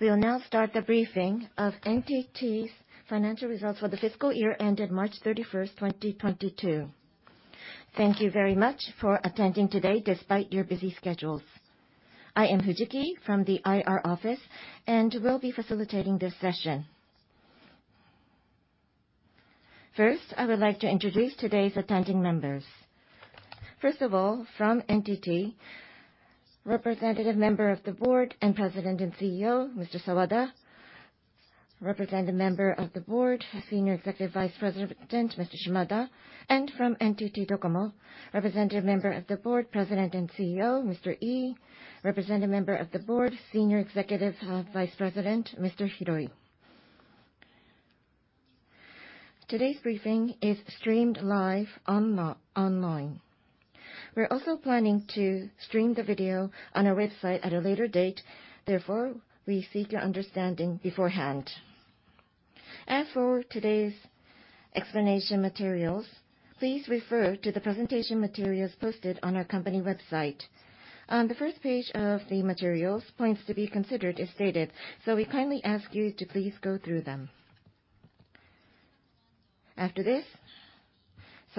We'll now start the briefing of NTT's financial results for the fiscal year ended March 31st, 2022. Thank you very much for attending today despite your busy schedules. I am Fujiki from the IR office and will be facilitating this session. First, I would like to introduce today's attending members. First of all, from NTT, Representative Member of the Board and President and CEO, Mr. Sawada. Representative Member of the Board, Senior Executive Vice President, Mr. Shimada. From NTT DOCOMO, Representative Member of the Board, President and CEO, Mr. Ii. Representative Member of the Board, Senior Executive Vice President, Mr. Hiroi. Today's briefing is streamed live online. We're also planning to stream the video on our website at a later date. Therefore, we seek your understanding beforehand. As for today's explanation materials, please refer to the presentation materials posted on our company website. On the first page of the materials, points to be considered is stated, so we kindly ask you to please go through them.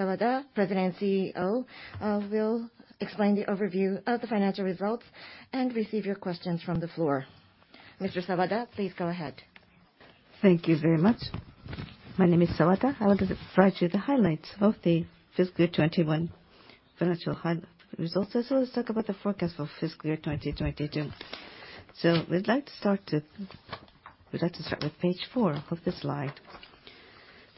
After this, Sawada, President and CEO, will explain the overview of the financial results and receive your questions from the floor. Mr. Sawada, please go ahead. Thank you very much. My name is Sawada. I will describe to you the highlights of the fiscal year 2021 financial results. Let's talk about the forecast for fiscal year 2022. We'd like to start with page four of the slide.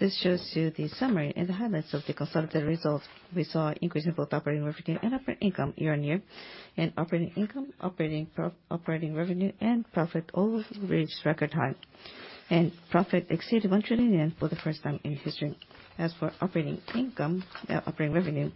This shows you the summary and the highlights of the consolidated results. We saw increase in both operating revenue and operating income year-on-year. Operating income, operating revenue, and profit all reached record high. Profit exceeded 1 trillion yen for the first time in history. As for operating income, operating revenue,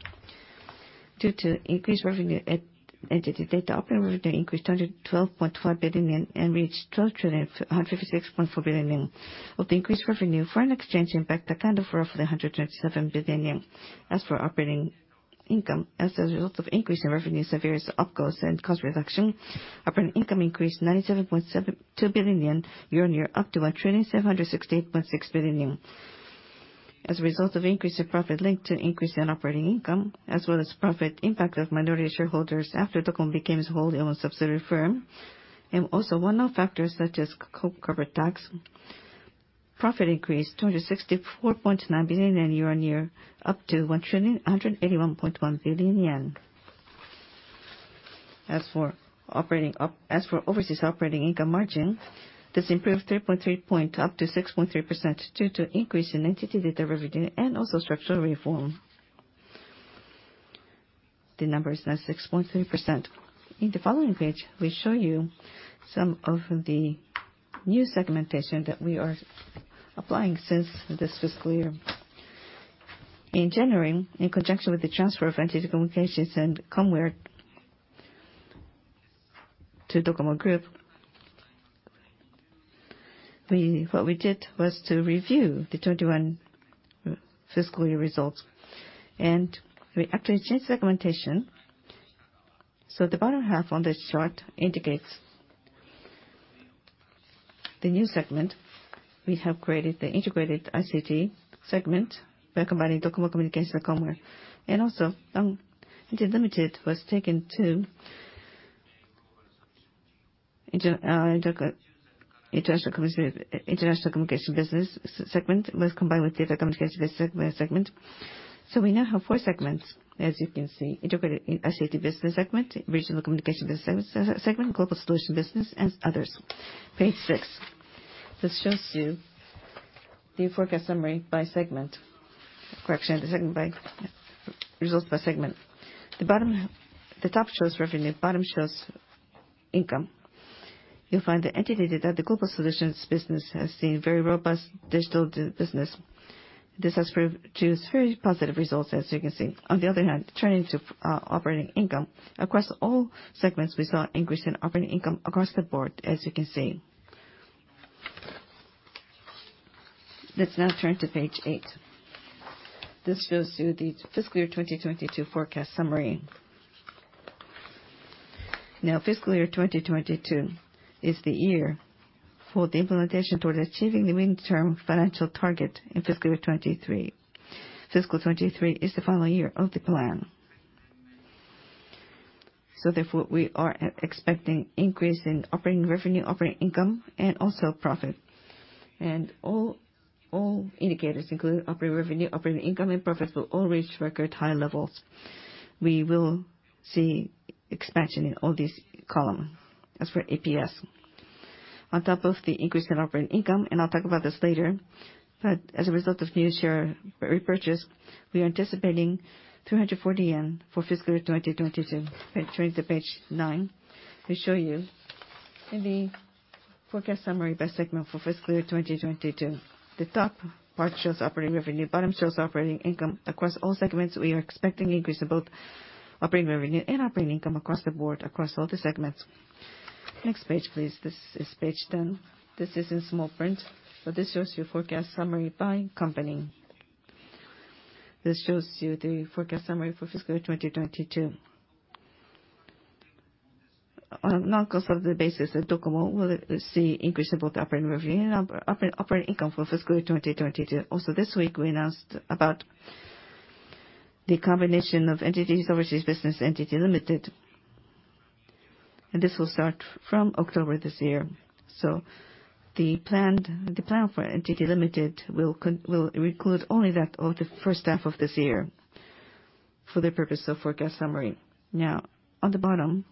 due to increased revenue at NTT DATA, operating revenue increased 212.5 billion yen, and reached 2,456.4 billion yen. With the increased revenue, foreign exchange impact accounted for roughly 127 billion yen. As for operating income, as a result of increase in revenue in various opcos and cost reduction, operating income increased 97.72 billion yen year-on-year, up to 1,768.6 billion yen. As a result of increase in profit linked to increase in operating income, as well as profit impact of minority shareholders after DOCOMO became its wholly owned subsidiary firm, and also one-off factors such as corporate tax, profit increased 264.9 billion yen year-on-year, up to 1,181.1 billion yen. As for overseas operating income margin, this improved 3.3 points, up to 6.3% due to increase in NTT DATA revenue and also structural reform. The number is now 6.3%. In the following page, we show you some of the new segmentation that we are applying since this fiscal year. In January, in conjunction with the transfer of NTT Communications and Comware to Docomo Group, we, what we did was to review the 2021 fiscal year results. We actually changed segmentation, so the bottom half on this chart indicates the new segment. We have created the integrated ICT segment by combining NTT Communications and Comware. Also, NTT Limited was taken to the international communication business segment, which was combined with the data communication business segment. We now have four segments, as you can see. Integrated ICT business segment, regional communication business segment, Global Solutions Business, and others. Page six. This shows you the forecast summary by segment. Correction, the results by segment. The top shows revenue, bottom shows income. You'll find the NTT DATA, the Global Solutions Business has seen very robust digital business. This has proved to show very positive results, as you can see. On the other hand, turning to operating income, across all segments, we saw increase in operating income across the board, as you can see. Let's now turn to page eight. This shows you the fiscal year 2022 forecast summary. Now, fiscal year 2022 is the year for the implementation toward achieving the midterm financial target in fiscal year 2023. Fiscal 2023 is the final year of the plan. Therefore, we are expecting increase in operating revenue, operating income, and also profit. All indicators, including operating revenue, operating income, and profit, will all reach record high levels. We will see expansion in all these column. As for EPS, on top of the increase in operating income, and I'll talk about this later, but as a result of new share repurchase, we are anticipating 340 yen for fiscal year 2022. Turning to page nine, we show you in the forecast summary by segment for fiscal year 2022. The top part shows operating revenue, bottom shows operating income. Across all segments, we are expecting increase in both operating revenue and operating income across the board, across all the segments. Next page, please. This is page 10. This is in small print, but this shows you forecast summary by company. This shows you the forecast summary for fiscal 2022. On a non-consolidated basis, Docomo will see increase in both operating revenue and operating income for fiscal 2022. This week, we announced about the combination of NTT's overseas business, NTT Limited, and this will start from October this year. The plan for NTT Limited will include only that of the H1 of this year for the purpose of forecast summary. Now, on the bottom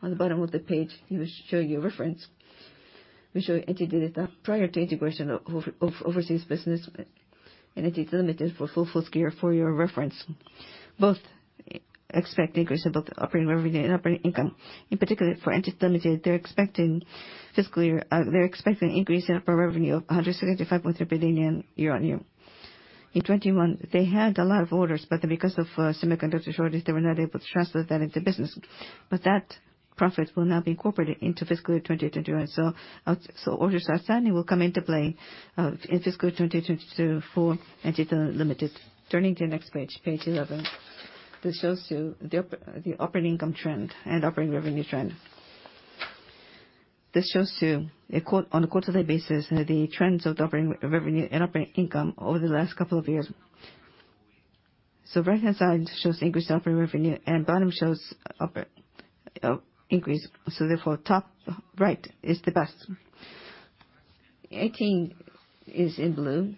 of the page, we show you a reference. We show NTT DATA prior to integration of overseas business and NTT Limited for full fiscal year for your reference. Both expect increase in both operating revenue and operating income. In particular, for NTT Limited, they're expecting increase in operating revenue of 165.0 billion year-on-year. In 2021, they had a lot of orders, but then because of semiconductor shortage, they were not able to translate that into business. That profit will now be incorporated into fiscal year 2021. Orders are standing, will come into play, in fiscal 2022 for NTT Limited Turning to the next page 11. This shows you the operating income trend and operating revenue trend. This shows you on a quarterly basis, the trends of the operating revenue and operating income over the last couple of years. Right-hand side shows increase in operating revenue, and bottom shows increase. Top right is the best. 2018 is in blue.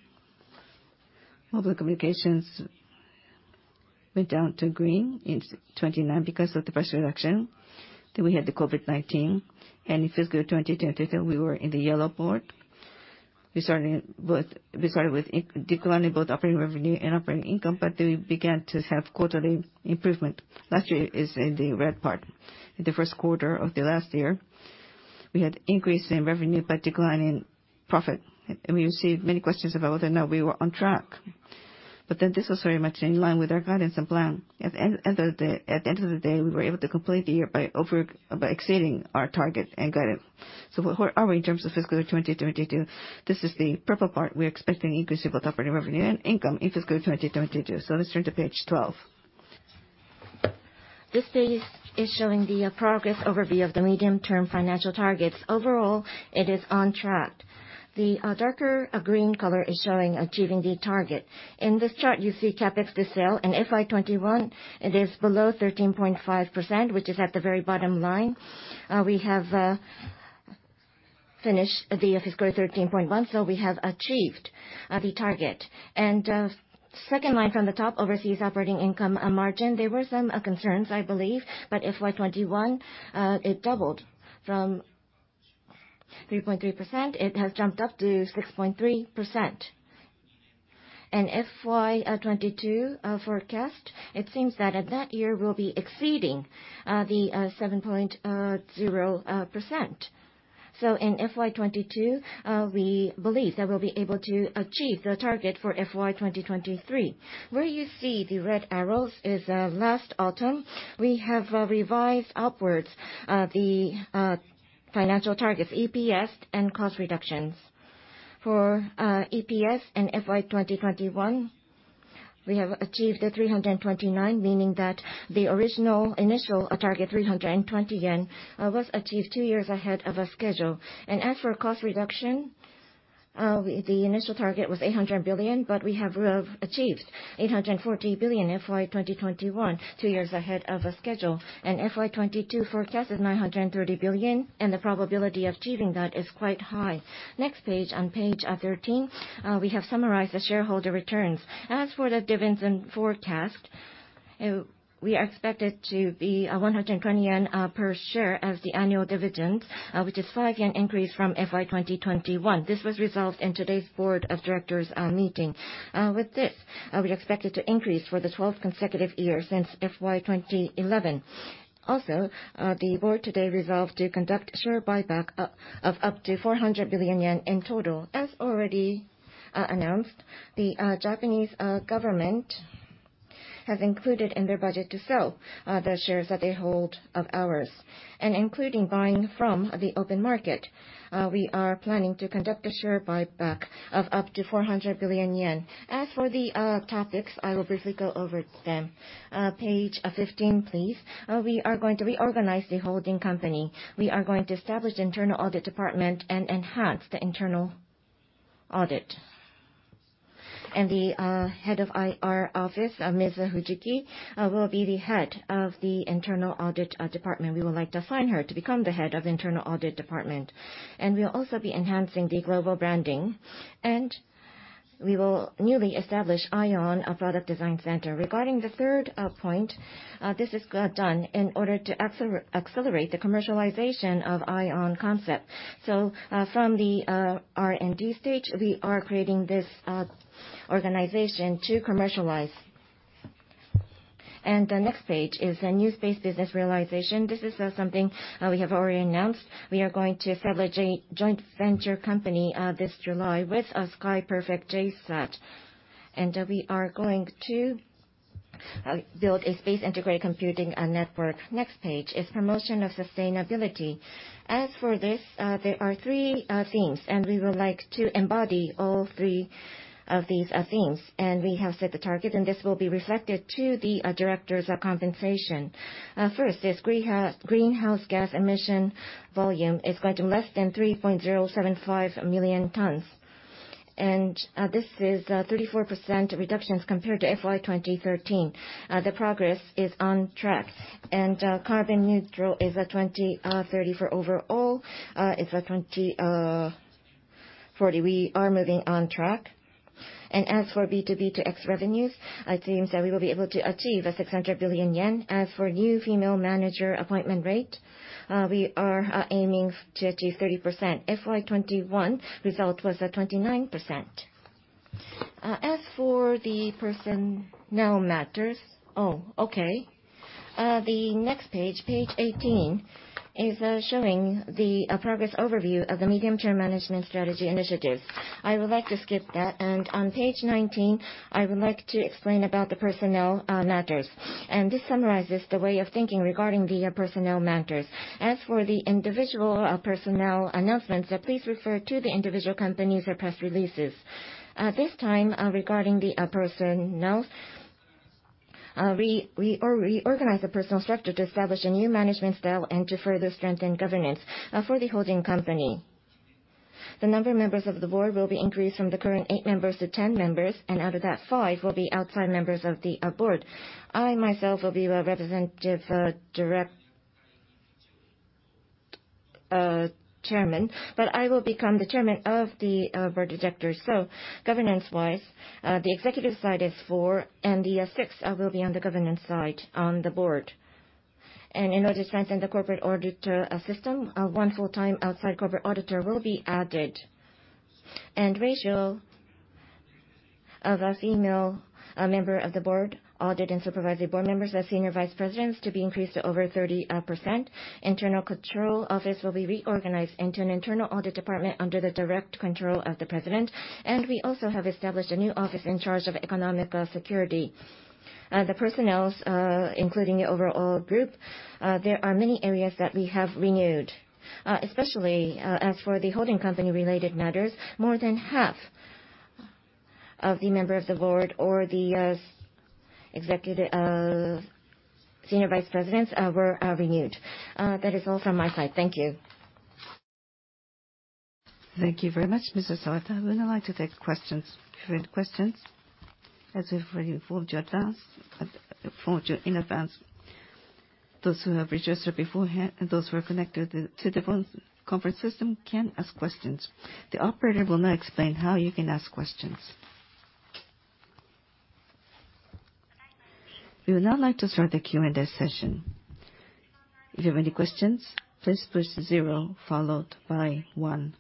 Mobile communications went down to green in 2019 because of the price reduction. We had the COVID-19. In fiscal 2022, we were in the yellow part. We started with a decline in both operating revenue and operating income, but then we began to have quarterly improvement. Last year is in the red part. In the Q1 of the last year, we had an increase in revenue, but a decline in profit. We received many questions about whether or not we were on track. This was very much in line with our guidance and plan. At the end of the day, we were able to complete the year by exceeding our target and guidance. Where are we in terms of fiscal 2022? This is the purple part. We're expecting an increase in both operating revenue and income in fiscal 2022. Let's turn to page 12. This page is showing the progress overview of the medium-term financial targets. Overall, it is on track. The darker green color is showing achieving the target. In this chart, you see CapEx to sales. In FY 2021, it is below 13.5%, which is at the very bottom line. We have finished the fiscal 13.1%, so we have achieved the target. Second line from the top, overseas operating income and margin, there were some concerns, I believe. FY 2021, it doubled from 3.3%, it has jumped up to 6.3%. FY 2022 forecast, it seems that that year we'll be exceeding the 7.0%. In FY 2022, we believe that we'll be able to achieve the target for FY 2023. Where you see the red arrows is, last autumn, we have revised upwards the financial targets, EPS and cost reductions. For EPS in FY 2021, we have achieved 329, meaning that the original initial target, 320 yen, was achieved two years ahead of schedule. As for cost reduction, the initial target was 800 billion, but we have achieved 840 billion in FY 2021, two years ahead of schedule. FY 2022 forecast is 930 billion, and the probability of achieving that is quite high. Next page, on page 13, we have summarized the shareholder returns. As for the dividends and forecast, we are expected to be 120 yen per share as the annual dividend, which is five yen increase from FY 2021. This was resolved in today's board of directors meeting. With this, we are expected to increase for the 12th consecutive year since FY 2011. Also, the board today resolved to conduct share buyback of up to 400 billion yen in total. As already announced, the Japanese government has included in their budget to sell the shares that they hold of ours. Including buying from the open market, we are planning to conduct a share buyback of up to 400 billion yen. As for the topics, I will briefly go over them. Page 15, please. We are going to reorganize the holding company. We are going to establish the internal audit department and enhance the internal audit. The head of IR office, Ms. Fujiki, will be the head of the internal audit department. We would like to assign her to become the head of internal audit department. We'll also be enhancing the global branding, and we will newly establish IOWN, a product design center. Regarding the third point, this is done in order to accelerate the commercialization of IOWN concept. From the R&D stage, we are creating this organization to commercialize. The next page is a new space business realization. This is something we have already announced. We are going to establish a joint venture company, this July with SKY Perfect JSAT. We are going to build a space integrated computing and network. Next page is promotion of sustainability. As for this, there are three themes, and we would like to embody all three of these themes. We have set the target, and this will be reflected to the director's compensation. First, greenhouse gas emission volume is going to less than 3.075 million tons. This is 34% reduction as compared to FY 2013. The progress is on track. Carbon neutral is 2030 for overall, it's 2040. We are moving on track. As for B2B2X revenues, I think that we will be able to achieve 600 billion yen. As for new female manager appointment rate, we are aiming to achieve 30%. FY 2021 result was 29%. As for the personnel matters. Oh, okay. The next page 18, is showing the progress overview of the medium-term management strategy initiatives. I would like to skip that. On page 19, I would like to explain about the personnel matters. This summarizes the way of thinking regarding the personnel matters. As for the individual personnel announcements, please refer to the individual company's press releases. At this time, regarding the personnel, we reorganize the personnel structure to establish a new management style and to further strengthen governance. For the holding company, the number of members of the board will be increased from the current eight members to 10 members, and out of that, five will be outside members of the board. I myself will be the representative director chairman, but I will become the chairman of the board of directors. Governance-wise, the executive side is four, and the six will be on the governance side on the board. In order to strengthen the corporate auditor system, one full-time outside corporate auditor will be added. Ratio of female member of the board, audit and supervisory board members, and senior vice presidents to be increased to over 30%. Internal control office will be reorganized into an internal audit department under the direct control of the president. We also have established a new office in charge of economic security. The personnel, including the overall group, there are many areas that we have renewed. Especially, as for the holding company related matters, more than half of the member of the board or the executive senior vice presidents were renewed. That is all from my side. Thank you. Thank you very much, Mr. Sawada. We would now like to take questions, field questions. As we've already informed you in advance, those who have registered beforehand and those who are connected to the phone conference system can ask questions. The operator will now explain how you can ask questions. We would now like to start the Q&A session. If you have any questions, please push zero followed by one.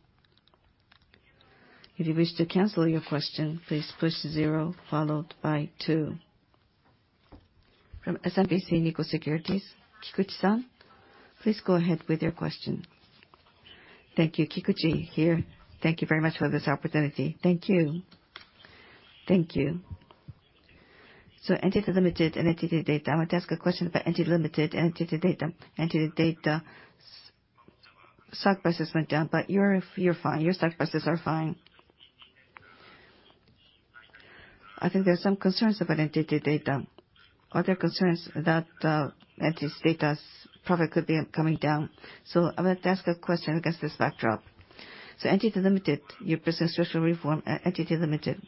If you wish to cancel your question, please push zero followed by two. From SMBC Nikko Securities, Kikuchi-san, please go ahead with your question. Thank you. Kikuchi here. Thank you very much for this opportunity. Thank you. Thank you. NTT Limited and NTT DATA, I want to ask a question about NTT Limited and NTT DATA. NTT DATA stock prices went down, but you're fine. Your stock prices are fine. I think there are some concerns about NTT DATA. Are there concerns that NTT DATA's profit could be coming down? I would like to ask a question against this backdrop. NTT Limited, you presented structural reform at NTT Limited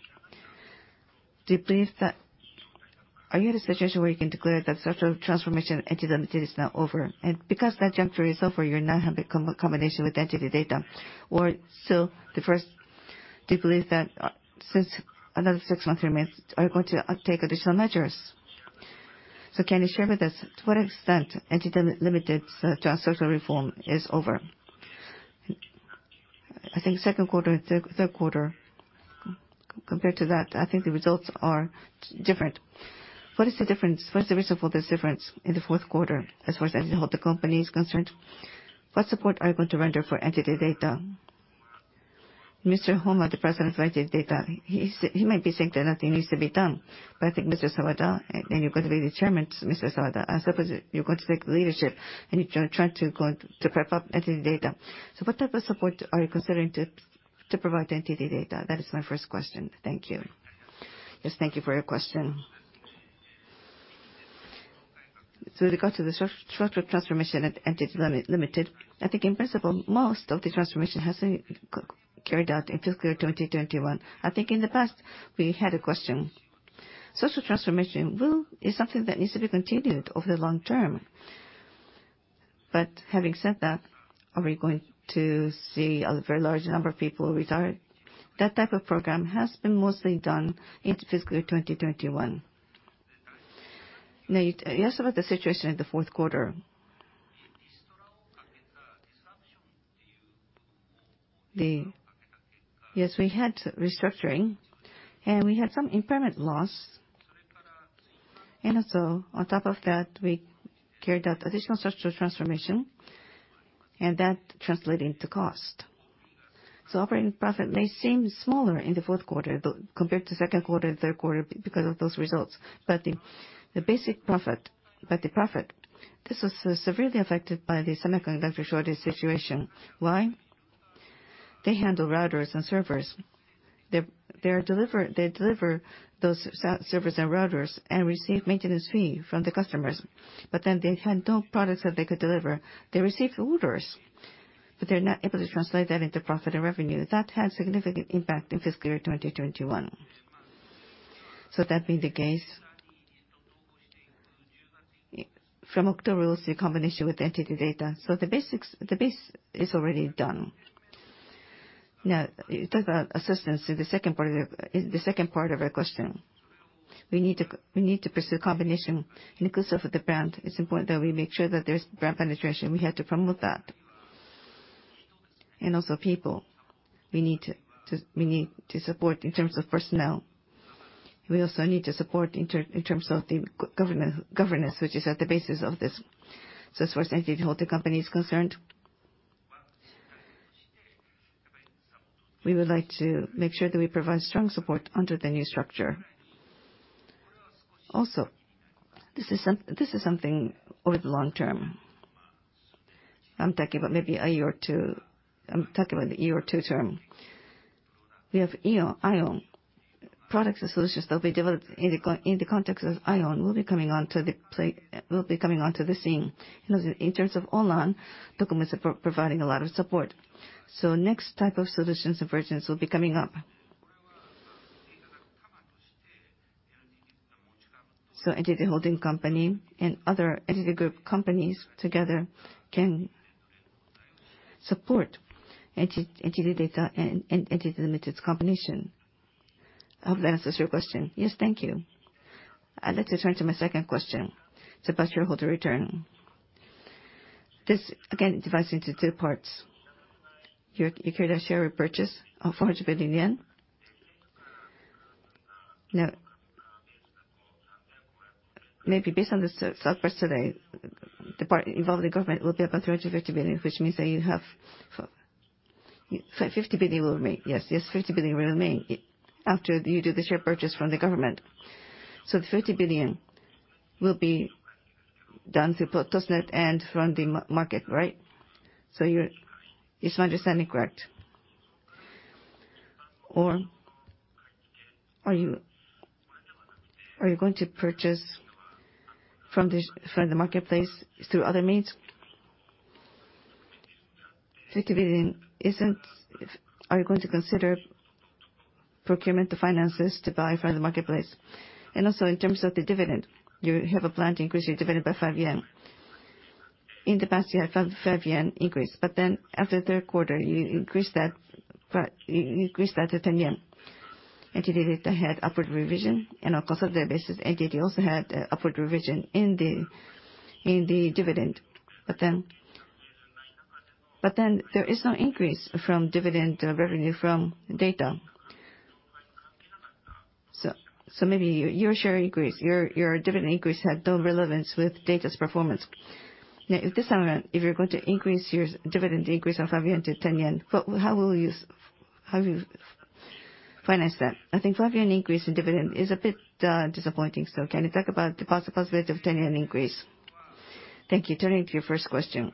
Are you in a situation where you can declare that structural transformation at NTT Limited is now over? Because that juncture is over, you now have a combination with NTT DATA. Or still, the first, do you believe that, since another six months remains, are you going to take additional measures? Can you share with us to what extent NTT Limited's structural reform is over? I think Q2, Q3 compared to that, I think the results are different. What is the difference? What is the reason for this difference in the Q4 as far as NTT Holding Company is concerned? What support are you going to render for NTT DATA? Mr. Homma, the President of NTT DATA, he might be saying that nothing needs to be done, but I think Mr. Sawada, and you're going to be the Chairman, Mr. Sawada, I suppose you're going to take leadership, and you're trying to go on to prop up NTT DATA. What type of support are you considering to provide to NTT DATA? That is my first question. Thank you. Yes, thank you for your question. With regard to the structural transformation at NTT Limited, I think in principle, most of the transformation has been carried out in fiscal 2021. I think in the past, we had a question. Structural transformation is something that needs to be continued over the long term. Having said that, are we going to see a very large number of people retire? That type of program has been mostly done in fiscal 2021. Now, you asked about the situation in theQ4. Yes, we had restructuring, and we had some impairment loss. Also, on top of that, we carried out additional structural transformation, and that translated into cost. Operating profit may seem smaller in the Q4 compared to Q2, Q3 because of those results. The profit this was severely affected by the semiconductor shortage situation. Why? They handle routers and servers. They deliver those servers and routers and receive maintenance fee from the customers. But then they had no products that they could deliver. They received orders, but they're not able to translate that into profit and revenue. That had significant impact in fiscal year 2021. That being the case, from October, the combination with NTT DATA. The base is already done. Now, you talk about assistance in the second part of our question. We need to pursue combination inclusive of the brand. It's important that we make sure that there's brand penetration. We have to promote that. Also people. We need to support in terms of personnel. We also need to support in terms of the governance, which is at the basis of this. As far as NTT Holding Company is concerned, we would like to make sure that we provide strong support under the new structure. Also, this is something over the long term. I'm talking about maybe a year or two. I'm talking about a year or two term. We have IOWN. Products and solutions that will be developed in the context of IOWN will be coming onto the scene. In terms of online, Docomo is providing a lot of support. Next type of solutions and versions will be coming up. NTT Holding Company and other NTT Group companies together can support NTT DATA and NTT Limited's combination. I hope that answers your question. Yes. Thank you. I'd like to turn to my second question. It's about shareholder return. This, again, divides into two parts. You carried out share repurchase of JPY 400 billion. Now, maybe based on the stock price today, the part involving government will be about 30 billion-50 billion, which means that $50 billion will remain. Yes. Yes, JYP 50 billion will remain after you do the share purchase from the government. The thirty billion will be done through ToSTNeT-3 and from the market, right? Is my understanding correct? Or are you going to purchase from the marketplace through other means? 50 billion isn't. Are you going to consider procuring the finances to buy from the marketplace? In terms of the dividend, you have a plan to increase your dividend by five yen. In the past, you had five yen increase, after the Q3, you increased that to 10 yen. NTT DATA had upward revision and of course on that basis, NTT also had upward revision in the dividend. There is no increase from dividend revenue from DATA. Maybe your share increase, your dividend increase had no relevance with DATA's performance. This time around, if you're going to increase your dividend increase of five yen-10 yen, how will you finance that? I think five yen increase in dividend is a bit disappointing. Can you talk about the possibility of JPY 10 increase? Thank you. Turning to your first question.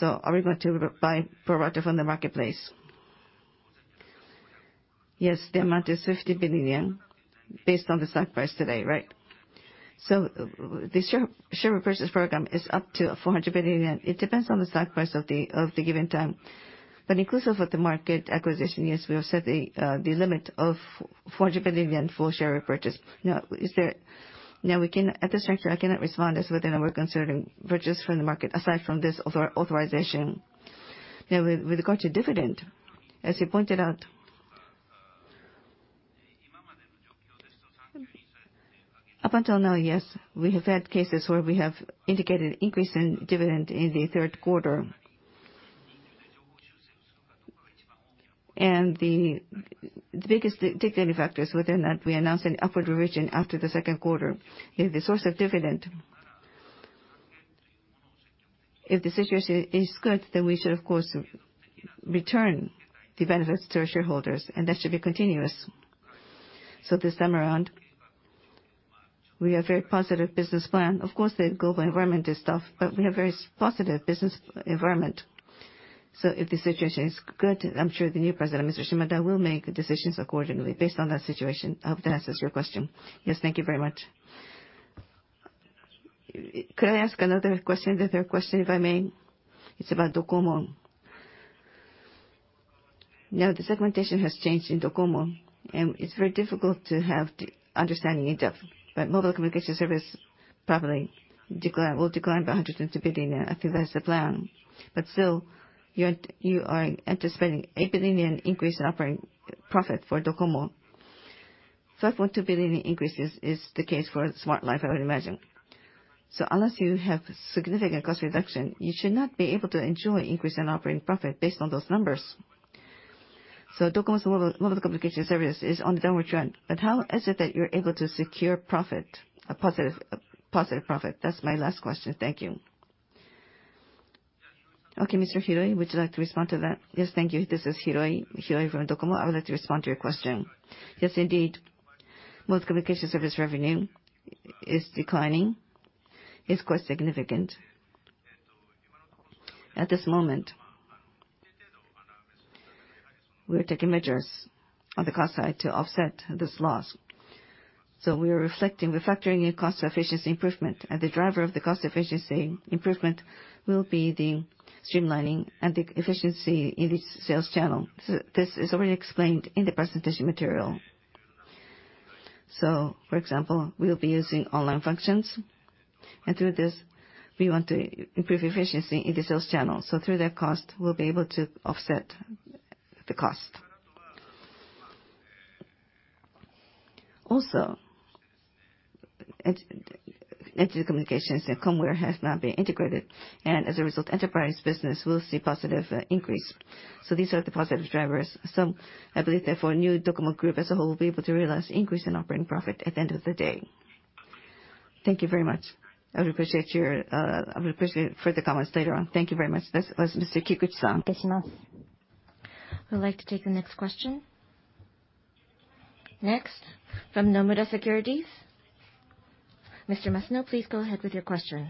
Are we going to buy pro rata from the marketplace? Yes, the amount is 50 billion based on the stock price today, right? The share repurchase program is up to 400 billion yen. It depends on the stock price of the given time. Inclusive of the market acquisition, yes, we have set the limit of 400 billion yen for share repurchase. At this juncture, I cannot respond as whether or not we are considering purchase from the market aside from this authorization. With regard to dividend, as you pointed out, up until now, yes, we have had cases where we have indicated increase in dividend in the Q3. The biggest determining factor is whether or not we announce an upward revision after the Q2 is the source of dividend. If the situation is good, then we should of course return dividends to our shareholders, and that should be continuous. This time around, we have very positive business plan. Of course, the global environment is tough, but we have very positive business environment. If the situation is good, I'm sure the new president, Mr. Shimada, will make decisions accordingly based on that situation. I hope that answers your question. Yes. Thank you very much. Could I ask another question, the third question, if I may? It's about Docomo. Now, the segmentation has changed in Docomo, and it's very difficult to have the understanding in depth. Mobile communication service probably will decline by 150 billion. I feel that's the plan. Still, you are anticipating 8 billion increase in operating profit for Docomo. Up to billion in increases is the case for Smart Life, I would imagine. Unless you have significant cost reduction, you should not be able to enjoy increase in operating profit based on those numbers. Docomo's mobile communication service is on the downward trend. How is it that you're able to secure profit, a positive profit? That's my last question. Thank you. Okay, Mr. Hiroi, would you like to respond to that? Yes. Thank you. This is Hiroi from Docomo. I would like to respond to your question. Yes, indeed, mobile communication service revenue is declining. It's quite significant. At this moment, we are taking measures on the cost side to offset this loss. We are reflecting, refactoring in cost efficiency improvement. The driver of the cost efficiency improvement will be the streamlining and the efficiency in the sales channel. This is already explained in the presentation material. For example, we'll be using online functions, and through this we want to improve efficiency in the sales channel. Through that cost, we'll be able to offset the cost. Also, NTT Communications and NTT COMWARE has now been integrated, and as a result, enterprise business will see positive increase. These are the positive drivers. I believe, therefore, the new NTT DOCOMO Group as a whole will be able to realize an increase in operating profit at the end of the day. Thank you very much. I would appreciate further comments later on. Thank you very much. This was Mr. Kikuchi-san. We'd like to take the next question. Next, from Nomura Securities. Mr. Masuno, please go ahead with your question.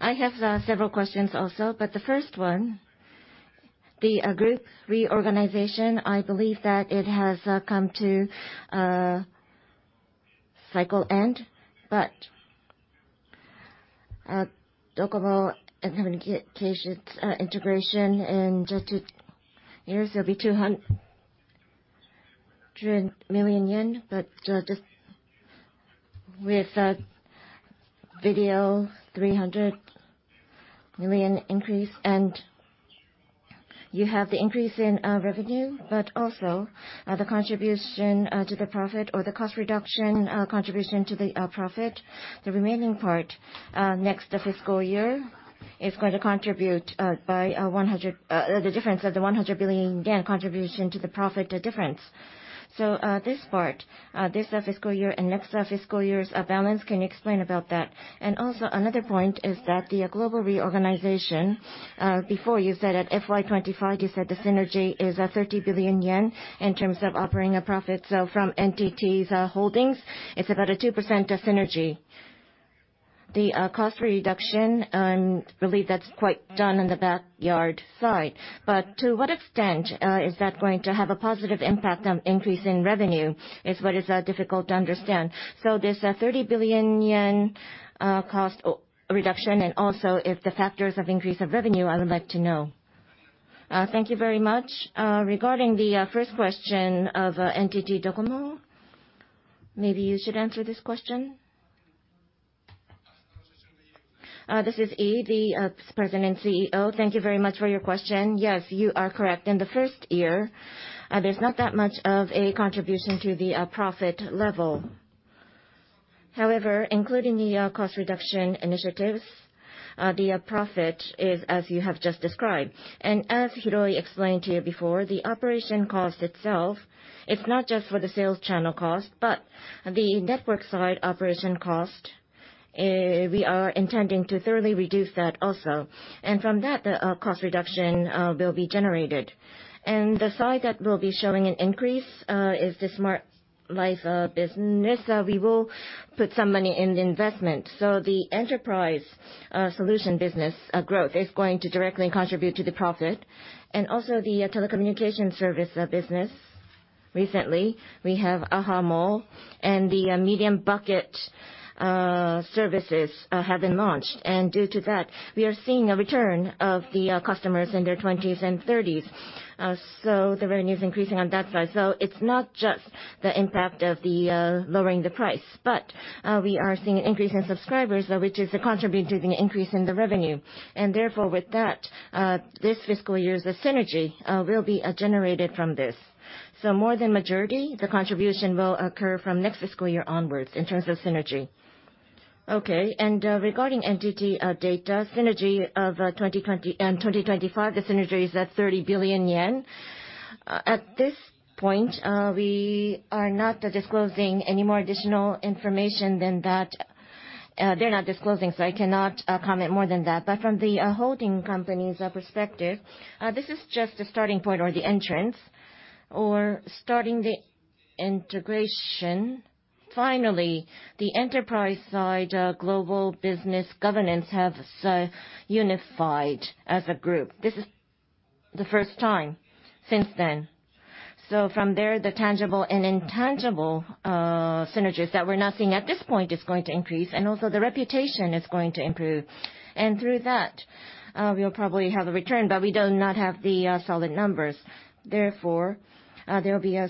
I have several questions also, but the first one, the group reorganization, I believe that it has come to a cycle end. Docomo and communications integration in just two years, there'll be 200 million yen. Just with video, 300 million increase and you have the increase in revenue, but also the contribution to the profit or the cost reduction contribution to the profit. The remaining part, next fiscal year is going to contribute by 100, the difference of the 100 billion yen contribution to the profit difference. This part, this fiscal year and next fiscal year's balance, can you explain about that? Another point is that the global reorganization, before you said at FY 25, you said the synergy is 30 billion yen in terms of operating profit. So from NTT's holdings, it's about a 2% synergy. The cost reduction, I believe that's quite done on the backyard side. But to what extent is that going to have a positive impact on increase in revenue is what is difficult to understand. So this 30 billion yen cost reduction and also the factors of increase of revenue, I would like to know. Thank you very much. Regarding the first question of NTT DOCOMO, maybe you should answer this question. This is Ii, the President and CEO. Thank you very much for your question. Yes, you are correct. In the first year, there's not that much of a contribution to the profit level. However, including the cost reduction initiatives, the profit is as you have just described. As Hiroi explained to you before, the operation cost itself, it's not just for the sales channel cost, but the network side operation cost, we are intending to thoroughly reduce that also. From that, the cost reduction will be generated. The side that will be showing an increase is the Smart Life business. We will put some money in the investment. The enterprise solution business growth is going to directly contribute to the profit. Also the telecommunication service business. Recently, we have ahamo, and the medium bucket services have been launched. Due to that, we are seeing a return of the customers in their twenties and thirties. The revenue is increasing on that side. It's not just the impact of the lowering the price, but we are seeing an increase in subscribers, which is contributing to the increase in the revenue. Therefore, with that, this fiscal year's synergy will be generated from this. More than majority, the contribution will occur from next fiscal year onwards in terms of synergy. Okay. Regarding NTT DATA, synergy of 2020 and 2025, the synergy is at 30 billion yen. At this point, we are not disclosing any more additional information than that. They're not disclosing, so I cannot comment more than that. From the holding company's perspective, this is just the starting point or the entrance or starting the integration. Finally, the enterprise side global business governance has unified as a group. This is the first time since then. From there, the tangible and intangible synergies that we're now seeing at this point is going to increase, and also the reputation is going to improve. Through that, we'll probably have a return, but we do not have the solid numbers. Therefore, there will be a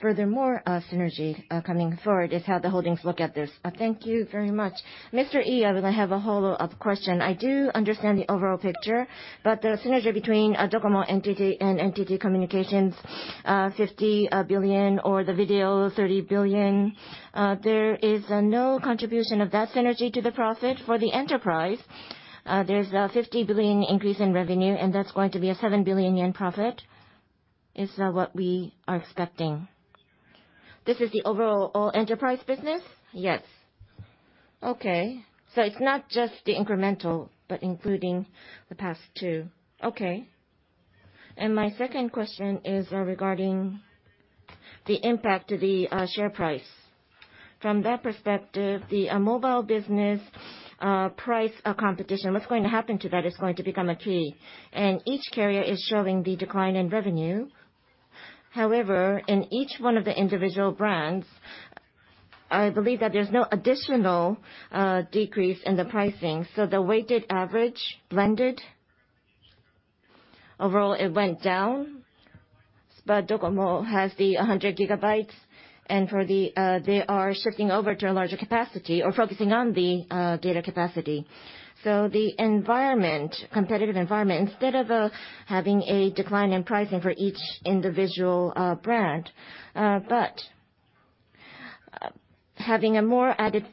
furthermore synergy coming forward is how the holdings look at this. Thank you very much. Mr. Ii, I will have a follow-up question. I do understand the overall picture, but the synergy between Docomo, NTT, and NTT Communications, 50 billion or the B2B, 30 billion, there is no contribution of that synergy to the profit. For the enterprise, there's a 50 billion increase in revenue, and that's going to be a 7 billion yen profit, is what we are expecting. This is the overall enterprise business? Yes. Okay. It's not just the incremental, but including the past two. Okay. My second question is regarding the impact to the share price. From that perspective, the mobile business price competition, what's going to happen to that is going to become a key. Each carrier is showing the decline in revenue. However, in each one of the individual brands, I believe that there's no additional decrease in the pricing. The weighted average blended overall, it went down. Docomo has the 100 GB, and for the, they are shifting over to a larger capacity or focusing on the data capacity. The environment, competitive environment, instead of having a decline in pricing for each individual brand, but having a more added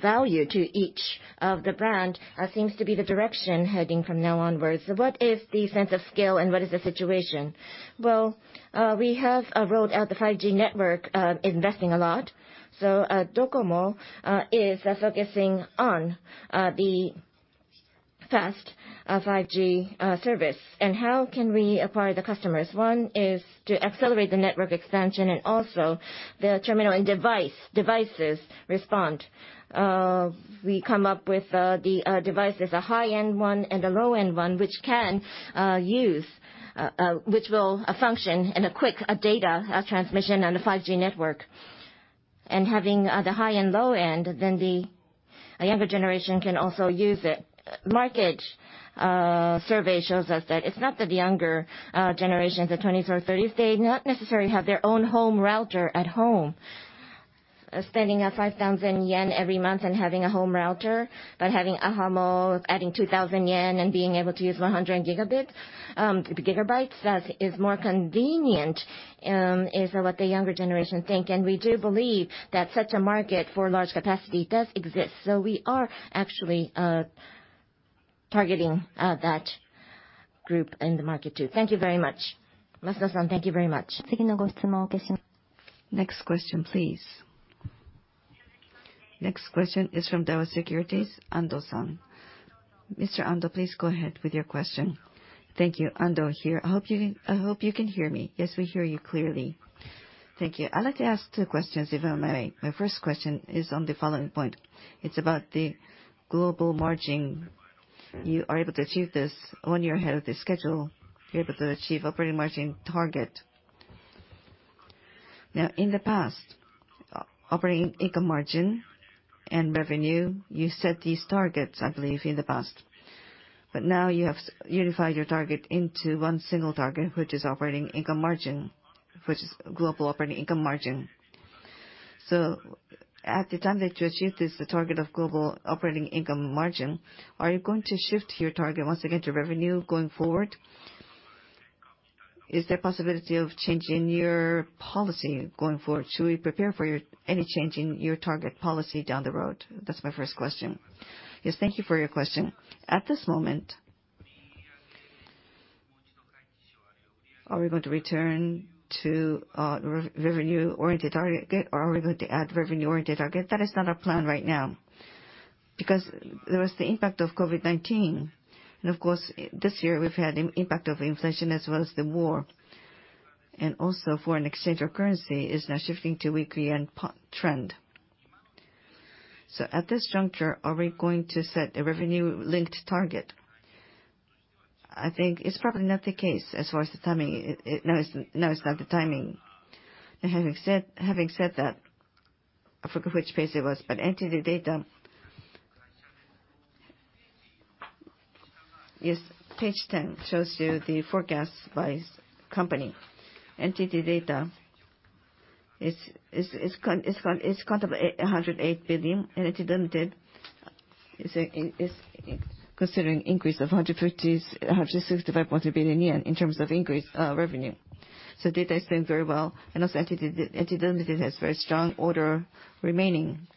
value to each of the brand seems to be the direction heading from now onwards. What is the sense of scale and what is the situation? We have rolled out the 5G network, investing a lot. Docomo is focusing on the fast 5G service. How can we acquire the customers? One is to accelerate the network expansion and also the terminal and devices respond. We come up with the devices, a high-end one and a low-end one, which will function in a quick data transmission on the 5G network. Having the high and low end, then the younger generation can also use it. Market survey shows us that it's not that the younger generations, the twenties or thirties, they not necessarily have their own home router at home. Spending 5,000 yen every month and having a home router, but having ahamo adding 2,000 yen and being able to use 100 GB, that is more convenient, is what the younger generation think. We do believe that such a market for large capacity does exist. We are actually targeting that group in the market too. Thank you very much. Masuno-san, thank you very much. Next question, please. Next question is from Daiwa Securities, Ando-san. Mr. Ando, please go ahead with your question. Thank you. Ando here. I hope you can hear me. Yes, we hear you clearly. Thank you. I'd like to ask two questions if I may. My first question is on the following point. It's about the global margin. You are able to achieve this one year ahead of the schedule. You're able to achieve operating margin target. Now, in the past, operating income margin and revenue, you set these targets, I believe, in the past. But now you have unified your target into one single target, which is operating income margin, which is global operating income margin. At the time that you achieve this target of global operating income margin, are you going to shift your target once again to revenue going forward? Is there possibility of changing your policy going forward? Should we prepare for your, any change in your target policy down the road? That's my first question. Yes, thank you for your question. At this moment, are we going to return to revenue-oriented target, or are we going to add revenue-oriented target? That is not our plan right now. Because there was the impact of COVID-19, and of course, this year we've had impact of inflation as well as the war. Also foreign exchange or currency is now shifting to weak yen trend. At this juncture, are we going to set a revenue-linked target? I think it's probably not the case as far as the timing. It now is not the timing. Now having said that, I forgot which page it was, but NTT DATA. Yes, page ten shows you the forecast by securities company. NTT DATA is kind of JPY 108 billion. NTT Limited is considering increase of 165 billion yen in terms of increased revenue. DATA is doing very well, and also NTT Limited has very strong order remaining.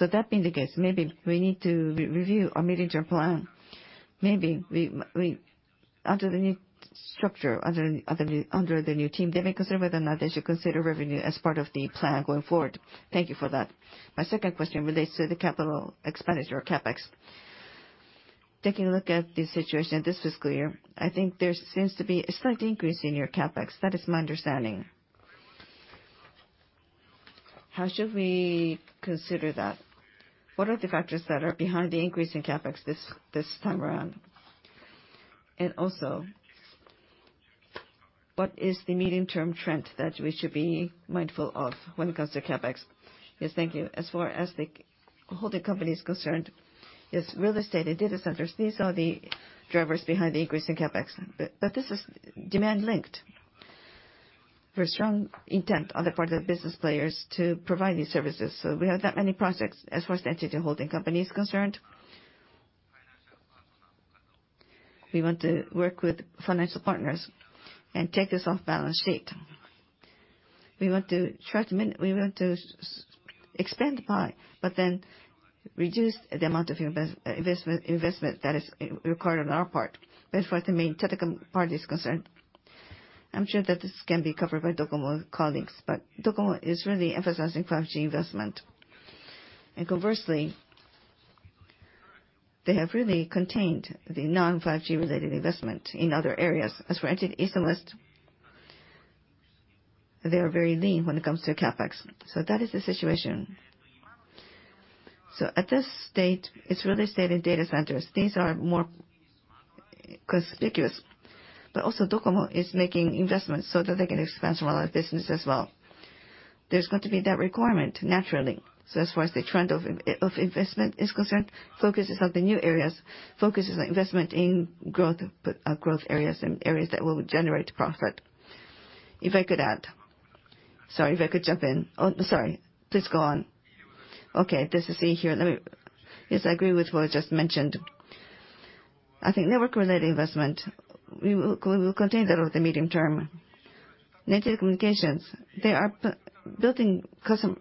That being the case, maybe we need to re-review our mid-term plan. Maybe we under the new structure, under the new team, they may consider whether or not they should consider revenue as part of the plan going forward. Thank you for that. My second question relates to the capital expenditure, CapEx. Taking a look at the situation this fiscal year, I think there seems to be a slight increase in your CapEx. That is my understanding. How should we consider that? What are the factors that are behind the increase in CapEx this time around? What is the medium-term trend that we should be mindful of when it comes to CapEx? Yes, thank you. As far as the holding company is concerned, yes, real estate and data centers, these are the drivers behind the increase in CapEx. This is demand linked. There's strong intent on the part of the business players to provide these services. We have that many projects as far as the NTT holding company is concerned. We want to work with financial partners and take this off balance sheet. We want to try to expand by, but then reduce the amount of investment that is required on our part. As far as the main telecom part is concerned, I'm sure that this can be covered by Docomo colleagues. ocomo is really emphasizing 5G investment. Conversely, they have really contained the non-5G related investment in other areas. As for NTT East and West, they are very lean when it comes to CapEx. That is the situation. At this stage, it's really stayed in data centers. These are more conspicuous. Also, Docomo is making investments so that they can expand to other business as well. There's got to be that requirement, naturally. As far as the trend of investment is concerned, focus is on the new areas, focus is on investment in growth areas and areas that will generate profit. If I could add. Sorry, if I could jump in. Oh, sorry. Please go on. Okay. This is Ii here. Yes, I agree with what was just mentioned. I think network-related investment, we will contain that over the medium term. NTT Communications, they are building custom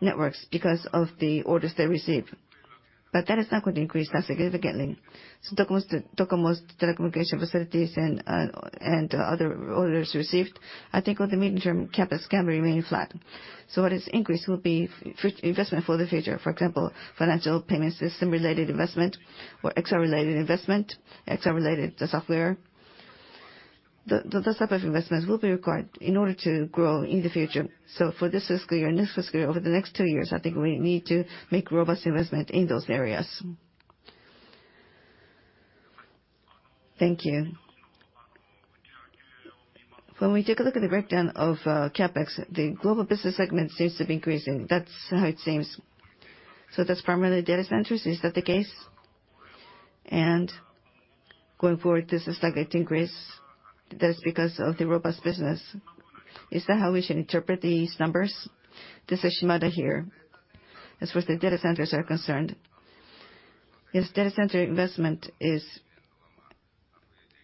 networks because of the orders they receive. That is not going to increase that significantly. Docomo's telecommunication facilities and other orders received, I think over the medium term, CapEx can remain flat. What is increased will be future investment for the future. For example, financial payment system-related investment or XR-related investment, XR-related software. The type of investments will be required in order to grow in the future. For this fiscal year and next fiscal year, over the next two years, I think we need to make robust investment in those areas. Thank you. When we take a look at the breakdown of CapEx, the Global Solutions Business seems to be increasing. That's how it seems. That's primarily data centers. Is that the case? Going forward, does this likely to increase? That is because of the robust business. Is that how we should interpret these numbers? This is Shimada here. As far as the data centers are concerned, yes, data center investment is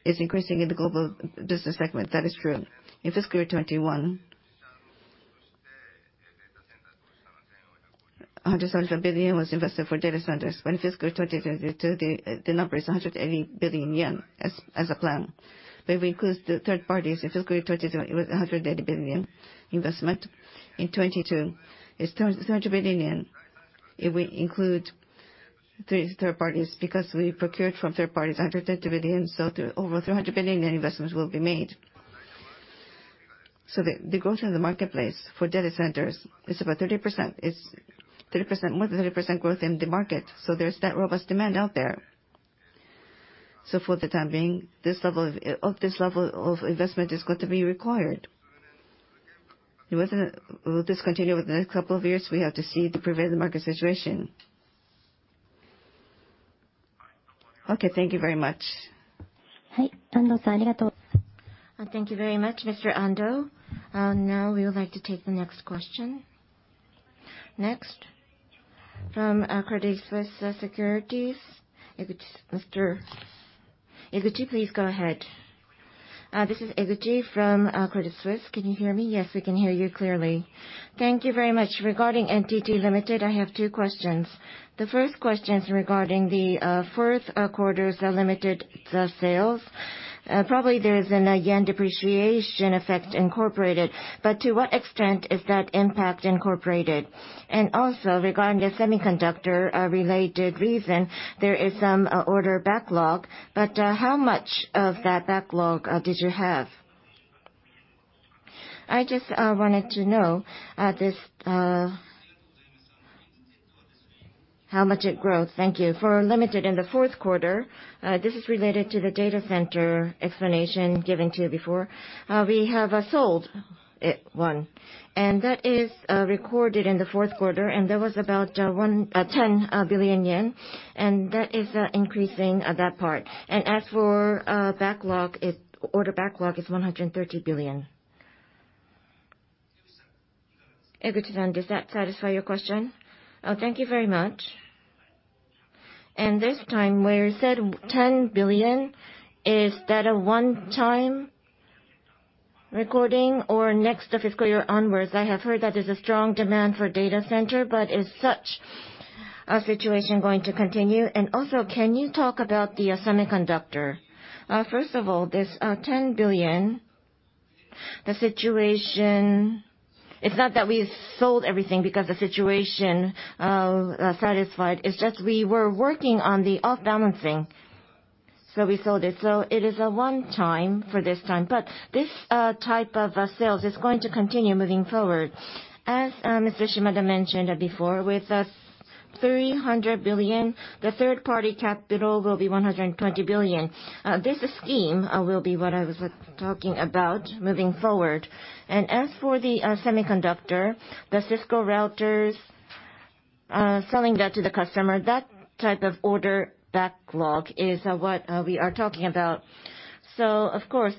increasing in the Global Solutions Business. That is true. In fiscal year 2021, 170 billion was invested for data centers. In fiscal year 2022, the number is 180 billion yen as a plan. If we include the third parties, in fiscal year 2021, it was 180 billion investment. In 2022, it's 300 billion yen if we include third parties, because we procured from third parties 130 billion, so over 300 billion yen investments will be made. The growth in the marketplace for data centers is about 30%. It's 30% more than 30% growth in the market. There's that robust demand out there. For the time being, this level of investment is going to be required. Whether will this continue over the next couple of years, we have to see the prevailing market situation? Okay, thank you very much. Thank you very much, Mr. Ando. Now we would like to take the next question. Next, from Credit Suisse Securities. Eguchi. Mr. Eguchi, please go ahead. This is Eguchi from Credit Suisse. Can you hear me? Yes, we can hear you clearly. Thank you very much. Regarding NTT Limited, I have two questions. The first question is regarding the fourth quarter's Limited sales. Probably there is a yen depreciation effect incorporated, but to what extent is that impact incorporated? And also regarding the semiconductor related reason, there is some order backlog, but how much of that backlog did you have? I just wanted to know this how much it grows. Thank you. For Limited in the Q4, this is related to the data center explanation given to you before. We have sold one, and that is recorded in the Q4, and that was about 10 billion yen, and that is increasing that part. As for backlog, order backlog is JPY 130 billion. Eguchi-san, does that satisfy your question? Thank you very much. This time, where you said 10 billion, is that a one-time recording or next fiscal year onwards? I have heard that there's a strong demand for data center, but is such a situation going to continue? Also, can you talk about the semiconductor? First of all, this 10 billion, the situation, it's not that we've sold everything because the situation satisfied. It's just we were working on the off-balancing, so we sold it. It is a one-time for this time. This type of sales is going to continue moving forward. As Mr. Shimada mentioned before, with 300 billion, the third-party capital will be 120 billion. This scheme will be what I was talking about moving forward. As for the semiconductor, the Cisco routers, selling that to the customer, that type of order backlog is what we are talking about. Of course,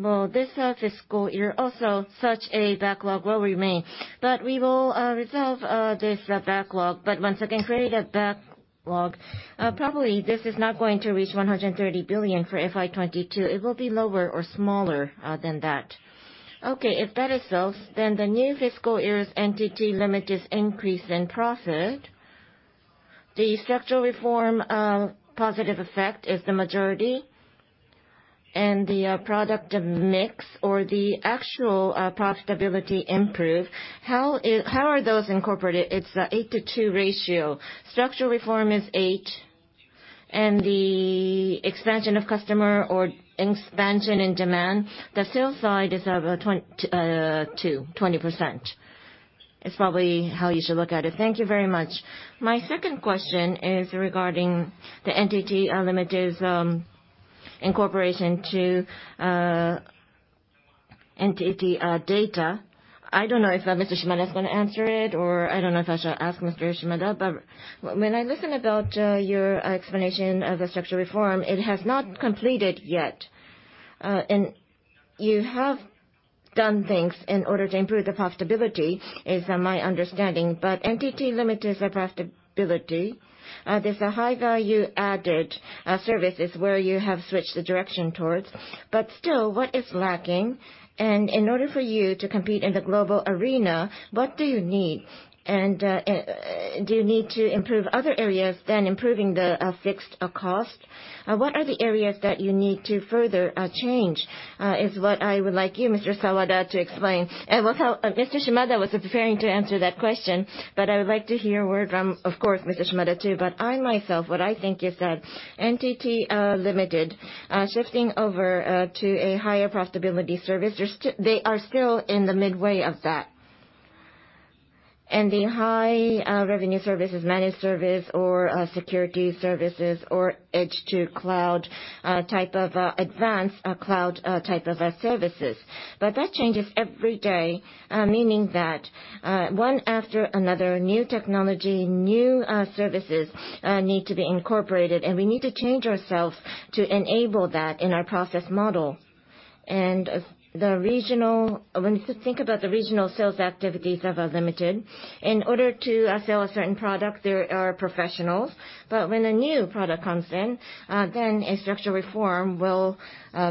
FY2022, this fiscal year also such a backlog will remain. We will resolve this backlog. Once again, probably this is not going to reach 130 billion for FY2022. It will be lower or smaller than that. Okay, if that is so, then the new fiscal year's NTT Limited's increase in profit, the structural reform positive effect is the majority, and the product mix or the actual profitability improve. How are those incorporated? It's 8-to-2 ratio. Structural reform is 8, and the expansion of customer or expansion in demand, the sales side is 20%. It's probably how you should look at it. Thank you very much. My second question is regarding the NTT Limited's incorporation to NTT DATA. I don't know if Mr. Shimada is gonna answer it, or I don't know if I should ask Mr. Shimada. When I listen about your explanation of a structural reform, it has not completed yet. You have done things in order to improve the profitability, is my understanding. NTT Limited's profitability, there's a high value-added services where you have switched the direction towards. Still, what is lacking? In order for you to compete in the global arena, what do you need? Do you need to improve other areas than improving the fixed cost? What are the areas that you need to further change is what I would like you, Mr. Sawada, to explain. Well, Mr. Shimada was preparing to answer that question, but I would like to hear a word from, of course, Mr. Shimada too. I myself, what I think is that NTT Limited, shifting over to a higher profitability service, they are still in the midway of that. The high revenue services, managed service or security services or edge-to-cloud type of advanced cloud type of services. That changes every day, meaning that one after another, new technology, new services need to be incorporated, and we need to change ourselves to enable that in our process model. The regional, when you think about the regional sales activities of NTT Limited, in order to sell a certain product, there are professionals. When a new product comes in, then a structural reform will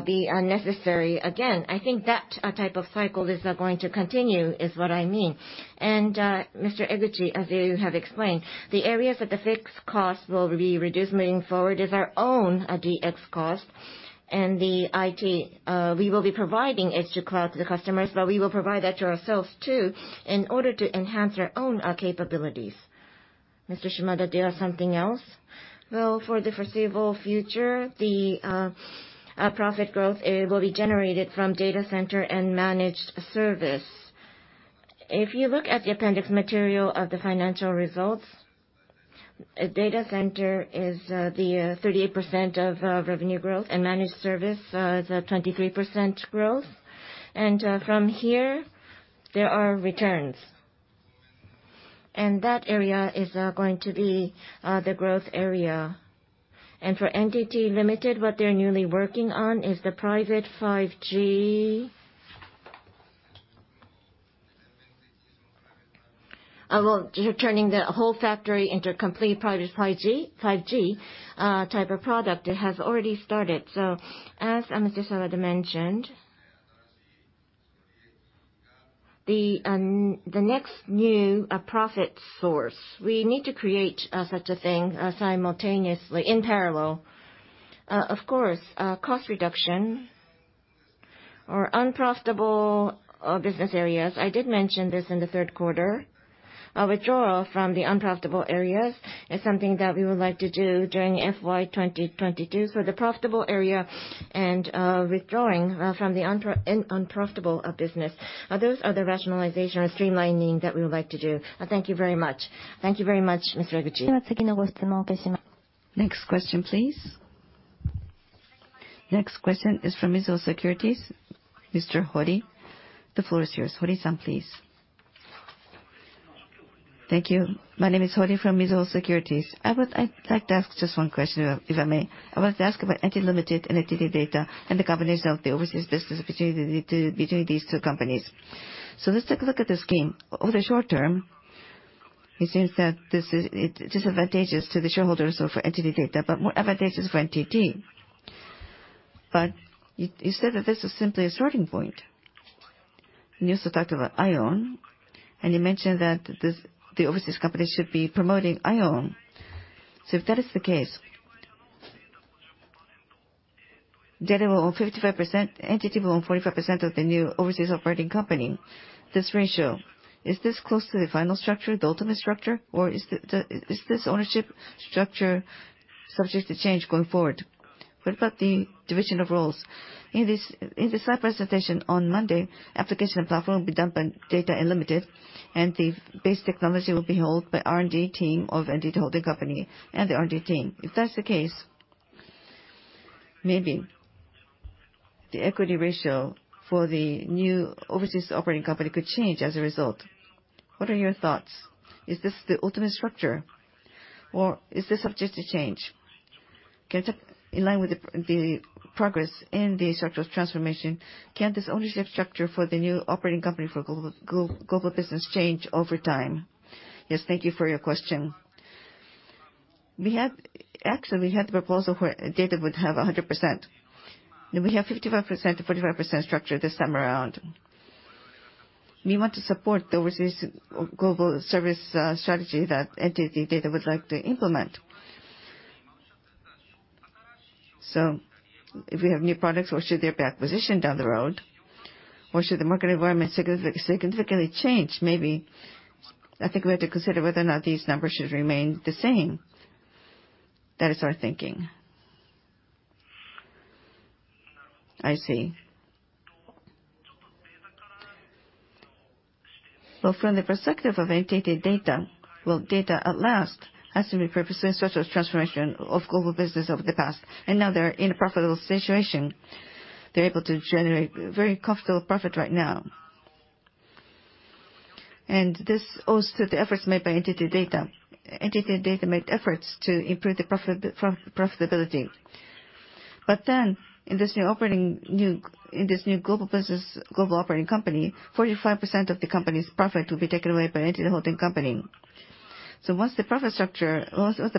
be necessary again. I think that type of cycle is going to continue, is what I mean. Mr. Eguchi, as you have explained, the areas that the fixed cost will be reduced moving forward is our own DX cost and the IT. We will be providing edge-to-cloud to the customers, but we will provide that to ourselves too in order to enhance our own capabilities. Mr. Shimada, do you have something else? Well, for the foreseeable future, the profit growth, it will be generated from data center and managed service. If you look at the appendix material of the financial results, data center is the 38% of revenue growth, and managed service is at 23% growth. From here, there are returns. That area is going to be the growth area. For NTT Limited, what they're newly working on is the private 5G. Well, turning the whole factory into complete private 5G type of product. It has already started. As Mr. Sawada mentioned the next new profit source we need to create such a thing simultaneously in parallel. Of course, cost reduction or unprofitable business areas. I did mention this in the third quarter. A withdrawal from the unprofitable areas is something that we would like to do during FY 2022. The profitable area and withdrawing from the unprofitable business. Those are the rationalization or streamlining that we would like to do. Thank you very much. Thank you very much, Mr. Eguchi. Next question, please. Next question is from Mizuho Securities. Mr. Hori, the floor is yours. Hori-san, please. Thank you. My name is Hori from Mizuho Securities. I would like to ask just one question, if I may. I wanted to ask about NTT Limited, NTT DATA, and the combination of the overseas business opportunity between these two companies. Let's take a look at this scheme. Over the short term, it seems that it's disadvantageous to the shareholders of NTT DATA, but more advantageous for NTT. You said that this is simply a starting point. You also talked about IOWN, and you mentioned that the overseas company should be promoting IOWN. If that is the case, DATA will own 55%, NTT will own 45% of the new overseas operating company. This ratio, is this close to the final structure, the ultimate structure? Or is the ownership structure subject to change going forward? What about the division of roles? In this, in the slide presentation on Monday, application and platform will be done by NTT DATA and NTT Limited, and the base technology will be held by R&D team of NTT Holding Company and the R&D team. If that's the case, maybe the equity ratio for the new overseas operating company could change as a result. What are your thoughts? Is this the ultimate structure, or is this subject to change? Can I check, in line with the progress in the structural transformation, can this ownership structure for the new operating company for global business change over time? Yes, thank you for your question. Actually, we had the proposal where NTT DATA would have 100%. Then we have 55%-45% structure this time around. We want to support the overseas global service strategy that NTT DATA would like to implement. If we have new products, or should there be acquisition down the road, or should the market environment significantly change, maybe I think we have to consider whether or not these numbers should remain the same. That is our thinking. I see. Well, from the perspective of NTT DATA, Data at last has to repurpose the structural transformation of global business over the past, and now they are in a profitable situation. They are able to generate very comfortable profit right now. And this owes to the efforts made by NTT DATA. NTT DATA made efforts to improve the profitability. In this new operating, new in this new global business, global operating company, 45% of the company's profit will be taken away by NTT Holding Company. Once the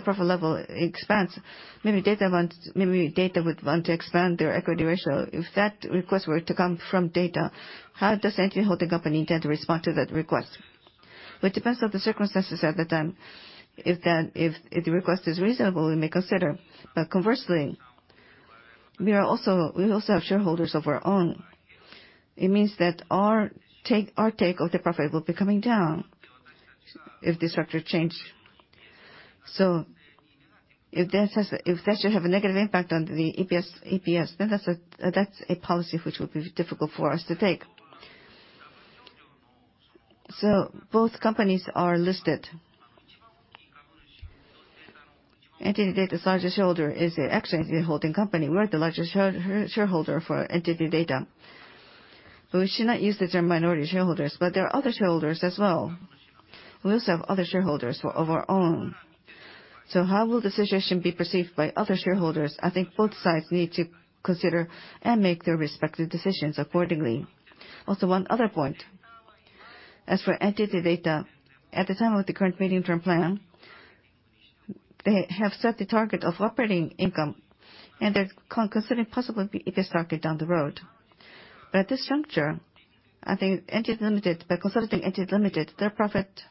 profit level expands, maybe Data would want to expand their equity ratio. If that request were to come from Data, how does NTT Holding Company intend to respond to that request? Well, it depends on the circumstances at the time. If the request is reasonable, we may consider. Conversely, we also have shareholders of our own. It means that our take of the profit will be coming down if the structure change. If that should have a negative impact on the EPS, then that's a policy which will be difficult for us to take. Both companies are listed. NTT DATA's largest shareholder is actually NTT Holding Company. We're the largest shareholder for NTT DATA. We should not use the term minority shareholders, but there are other shareholders as well. We also have other shareholders of our own. How will the situation be perceived by other shareholders? I think both sides need to consider and make their respective decisions accordingly. Also, one other point. As for NTT DATA, at the time of the current medium-term plan, they have set the target of operating income, and they're considering possibly the EBIT target down the road. At this juncture, I think NTT Limited, by consolidating NTT Limited, their profit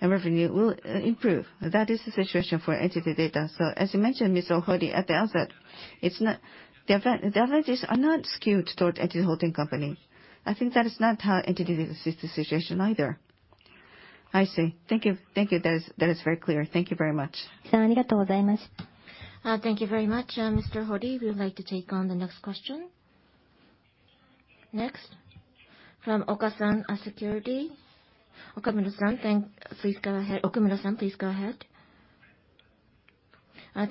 and revenue will improve. That is the situation for NTT DATA. As you mentioned, Mr. Hori, at the outset, it's not. The advantages are not skewed towards NTT Holding Company. I think that is not how NTT sees the situation either. I see. Thank you. Thank you. That is very clear. Thank you very much. Thank you very much. Mr. Hori, would you like to take on the next question? Next, from Okasan Securities. Okumura-san, please go ahead.,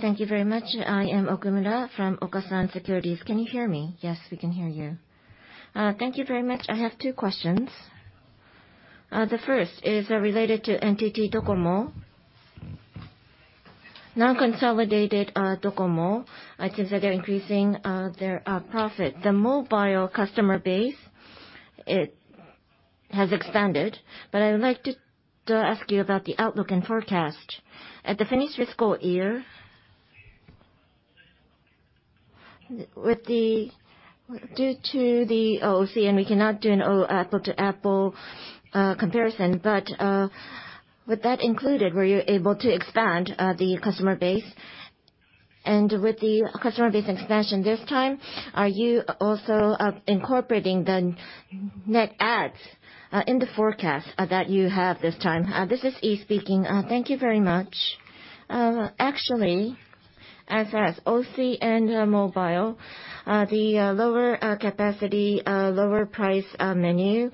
Thank you very much. I am Okumura from Okasan Securities. Can you hear me? Yes, we can hear you. Thank you very much. I have two questions. The first is related to NTT DOCOMO. Non-consolidated DOCOMO, it seems that they're increasing their profit. The mobile customer base, it has expanded, but I would like to ask you about the outlook and forecast. At the finished fiscal year, due to the OCN, we cannot do an apple-to-apple comparison. With that included, were you able to expand the customer base? With the customer base expansion this time, are you also incorporating the net adds in the forecast that you have this time? This is Ii speaking. Thank you very much. Actually, as OCN Mobile ONE, the lower capacity lower price menu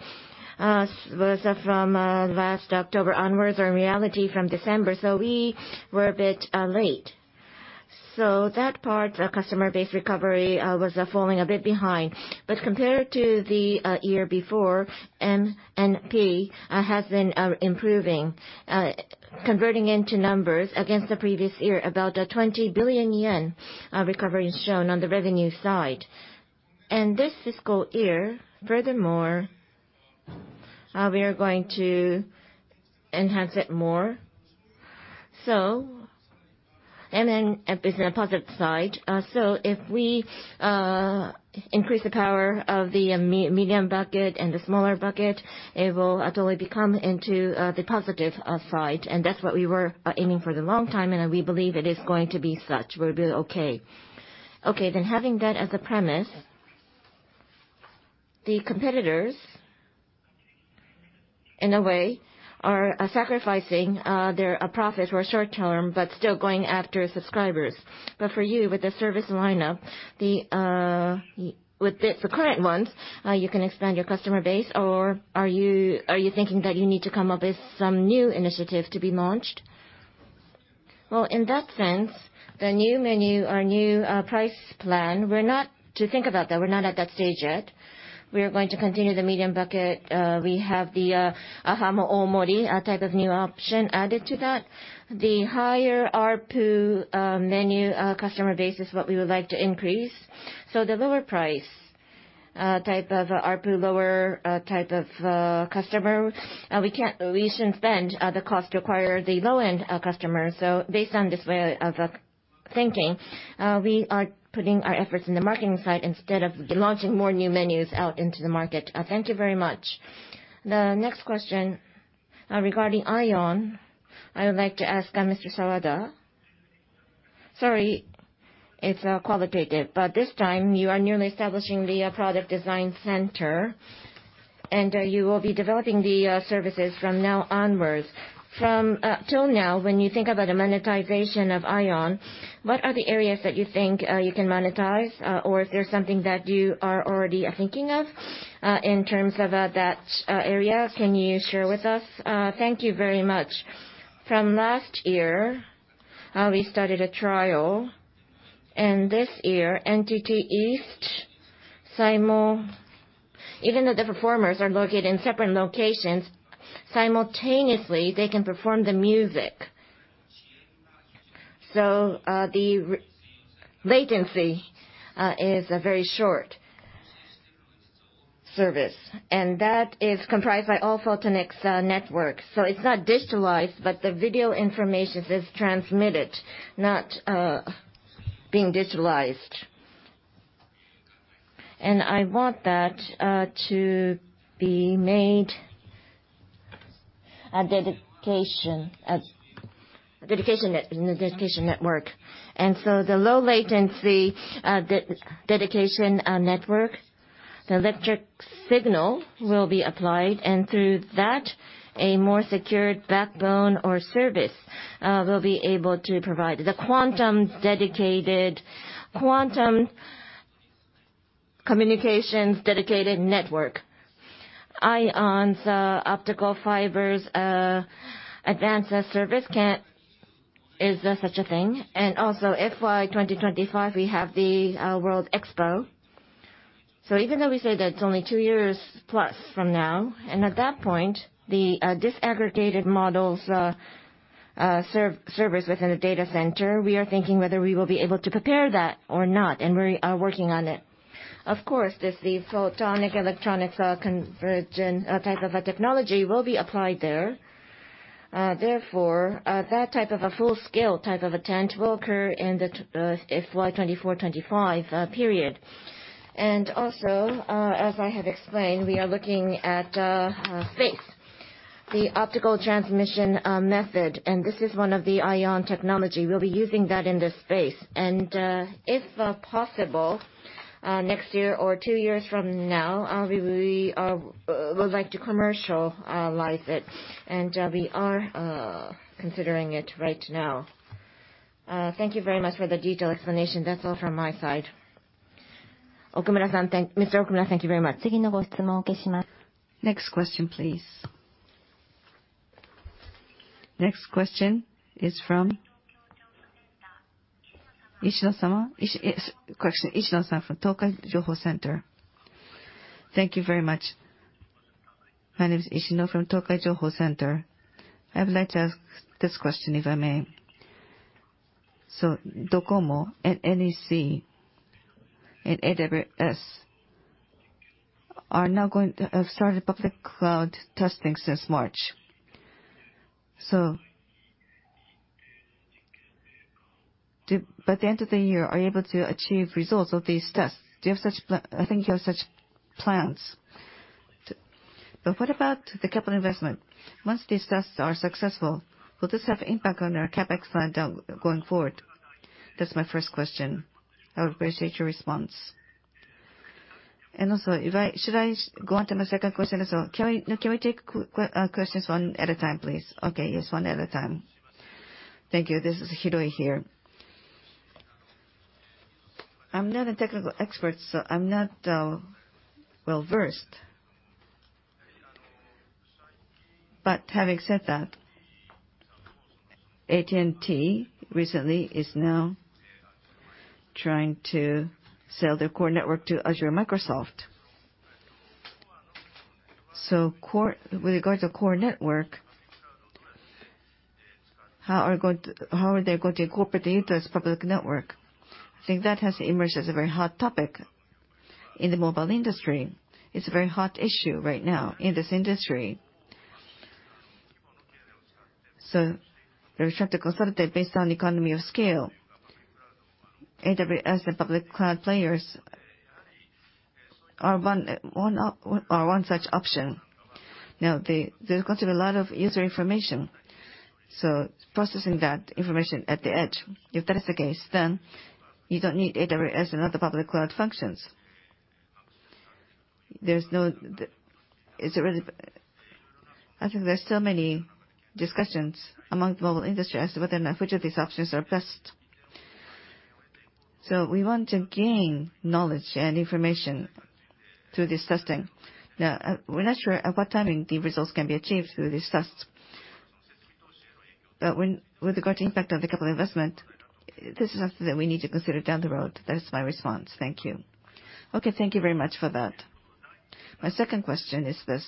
was from last October onwards, or in reality from December, so we were a bit late. That part, the customer base recovery was falling a bit behind. Compared to the year before, MNP has been improving. Converting into numbers against the previous year, about 20 billion yen of recovery is shown on the revenue side. This fiscal year, furthermore, we are going to enhance it more. It's in a positive side. If we increase the power of the medium bucket and the smaller bucket, it will totally become into the positive side. That's what we were aiming for a long time, and we believe it is going to be such. We'll be okay. Okay. Having that as a premise, the competitors, in a way, are sacrificing their profits for short term, but still going after subscribers. For you, with the service lineup, with the current ones, you can expand your customer base? Or are you thinking that you need to come up with some new initiative to be launched? Well, in that sense, the new menu, our new, price plan, we're not to think about that. We're not at that stage yet. We are going to continue the medium bucket. We have the, ahamo Oomori, a type of new option added to that. The higher ARPU, menu, customer base is what we would like to increase. The lower price ype of ARPU, lower type of customer. We shouldn't spend the cost to acquire the low-end customer. Based on this way of thinking, we are putting our efforts in the marketing side instead of launching more new menus out into the market. Thank you very much. The next question regarding IOWN, I would like to ask Mr. Sawada. Sorry, it's qualitative, but this time you are newly establishing the product design center, and you will be developing the services from now onwards. Up till now, when you think about the monetization of IOWN, what are the areas that you think you can monetize? Or if there's something that you are already thinking of in terms of that area, can you share with us? Thank you very much. From last year, we started a trial, and this year, NTT East. Even though the performers are located in separate locations, simultaneously, they can perform the music. The low latency is a very short service, and that is comprised by All-Photonics networks. It's not digitalized, but the video information is transmitted, not being digitalized. I want that to be made a dedicated, a dedicated net, a dedicated network. The low latency dedicated network, the electric signal will be applied, and through that, a more secured backbone or service will be able to provide. The quantum dedicated, quantum communications dedicated network. IOWN's optical fibers advanced service is such a thing. FY 2025, we have the World Expo. Even though we say that it's only two years plus from now, and at that point, the disaggregated models, servers within a data center, we are thinking whether we will be able to prepare that or not, and we are working on it. Of course, this, the Photonics-Electronics Convergence type of a technology will be applied there. Therefore, that type of a full-scale type of attempt will occur in the FY 2024/2025 period. Also, as I have explained, we are looking at space, the optical transmission method, and this is one of the IOWN technology. We'll be using that in the space. If possible, next year or two years from now, we would like to commercialize it. We are considering it right now. Thank you very much for the detailed explanation. That's all from my side. Mr. Okumura, thank you very much. Next question, please. Next question is from Ishino-sama. Ishino question, Ishino-sama from Tokai Tokyo Research Center. Thank you very much. My name is Ishino from Tokai Tokyo Research Center. I would like to ask this question, if I may. Docomo and NEC and AWS are now going to have started public cloud testing since March. By the end of the year, are you able to achieve results of these tests? I think you have such plans. What about the capital investment? Once these tests are successful, will this have impact on our CapEx spend, going forward? That's my first question. I would appreciate your response. Also, should I go on to my second question as well? Can we take questions one at a time, please? Okay. Yes, one at a time. Thank you. This is Hiroi here. I'm not well-versed. Having said that, AT&T recently is now trying to sell their core network to Microsoft Azure. Core, with regard to core network, how are they going to incorporate into this public network? I think that has emerged as a very hot topic in the mobile industry. It's a very hot issue right now in this industry. They're trying to consolidate based on economy of scale. AWS and public cloud players are or one such option. Now, they're considering a lot of user information, so processing that information at the edge. If that is the case, then you don't need AWS and other public cloud functions. Is it really. I think there are still many discussions among the mobile industry as to whether or not which of these options are best. We want to gain knowledge and information through this testing. Now, we're not sure at what time the results can be achieved through these tests. When, with regard to impact on the capital investment, this is something we need to consider down the road. That is my response. Thank you. Okay, thank you very much for that. My second question is this.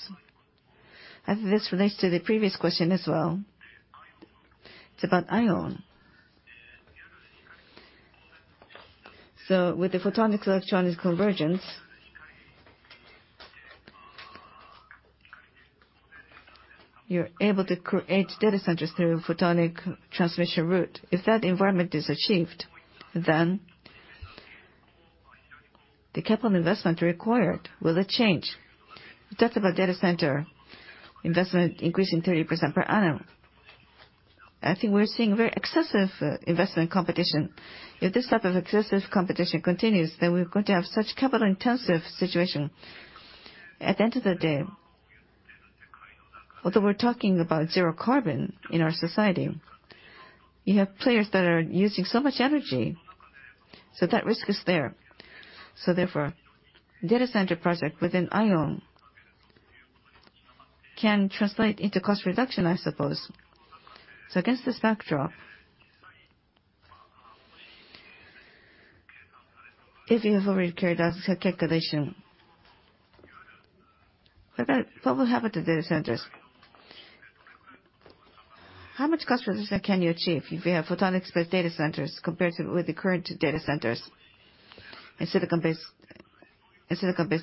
I think this relates to the previous question as well. It's about IOWN. With the Photonics-Electronics Convergence, you're able to create data centers through a photonic transmission route. If that environment is achieved, then the capital investment required will change. We're talking about data center investment increasing 30% per annum. I think we're seeing very excessive investment competition. If this type of excessive competition continues, then we're going to have such capital-intensive situation. At the end of the day, although we're talking about zero carbon in our society, you have players that are using so much energy. That risk is there. Therefore, data center project within IOWN can translate into cost reduction, I suppose. Against this backdrop, if you have already carried out such a calculation, what will happen to data centers? How much cost reduction can you achieve if you have photonics-based data centers compared to the current data centers and silicon-based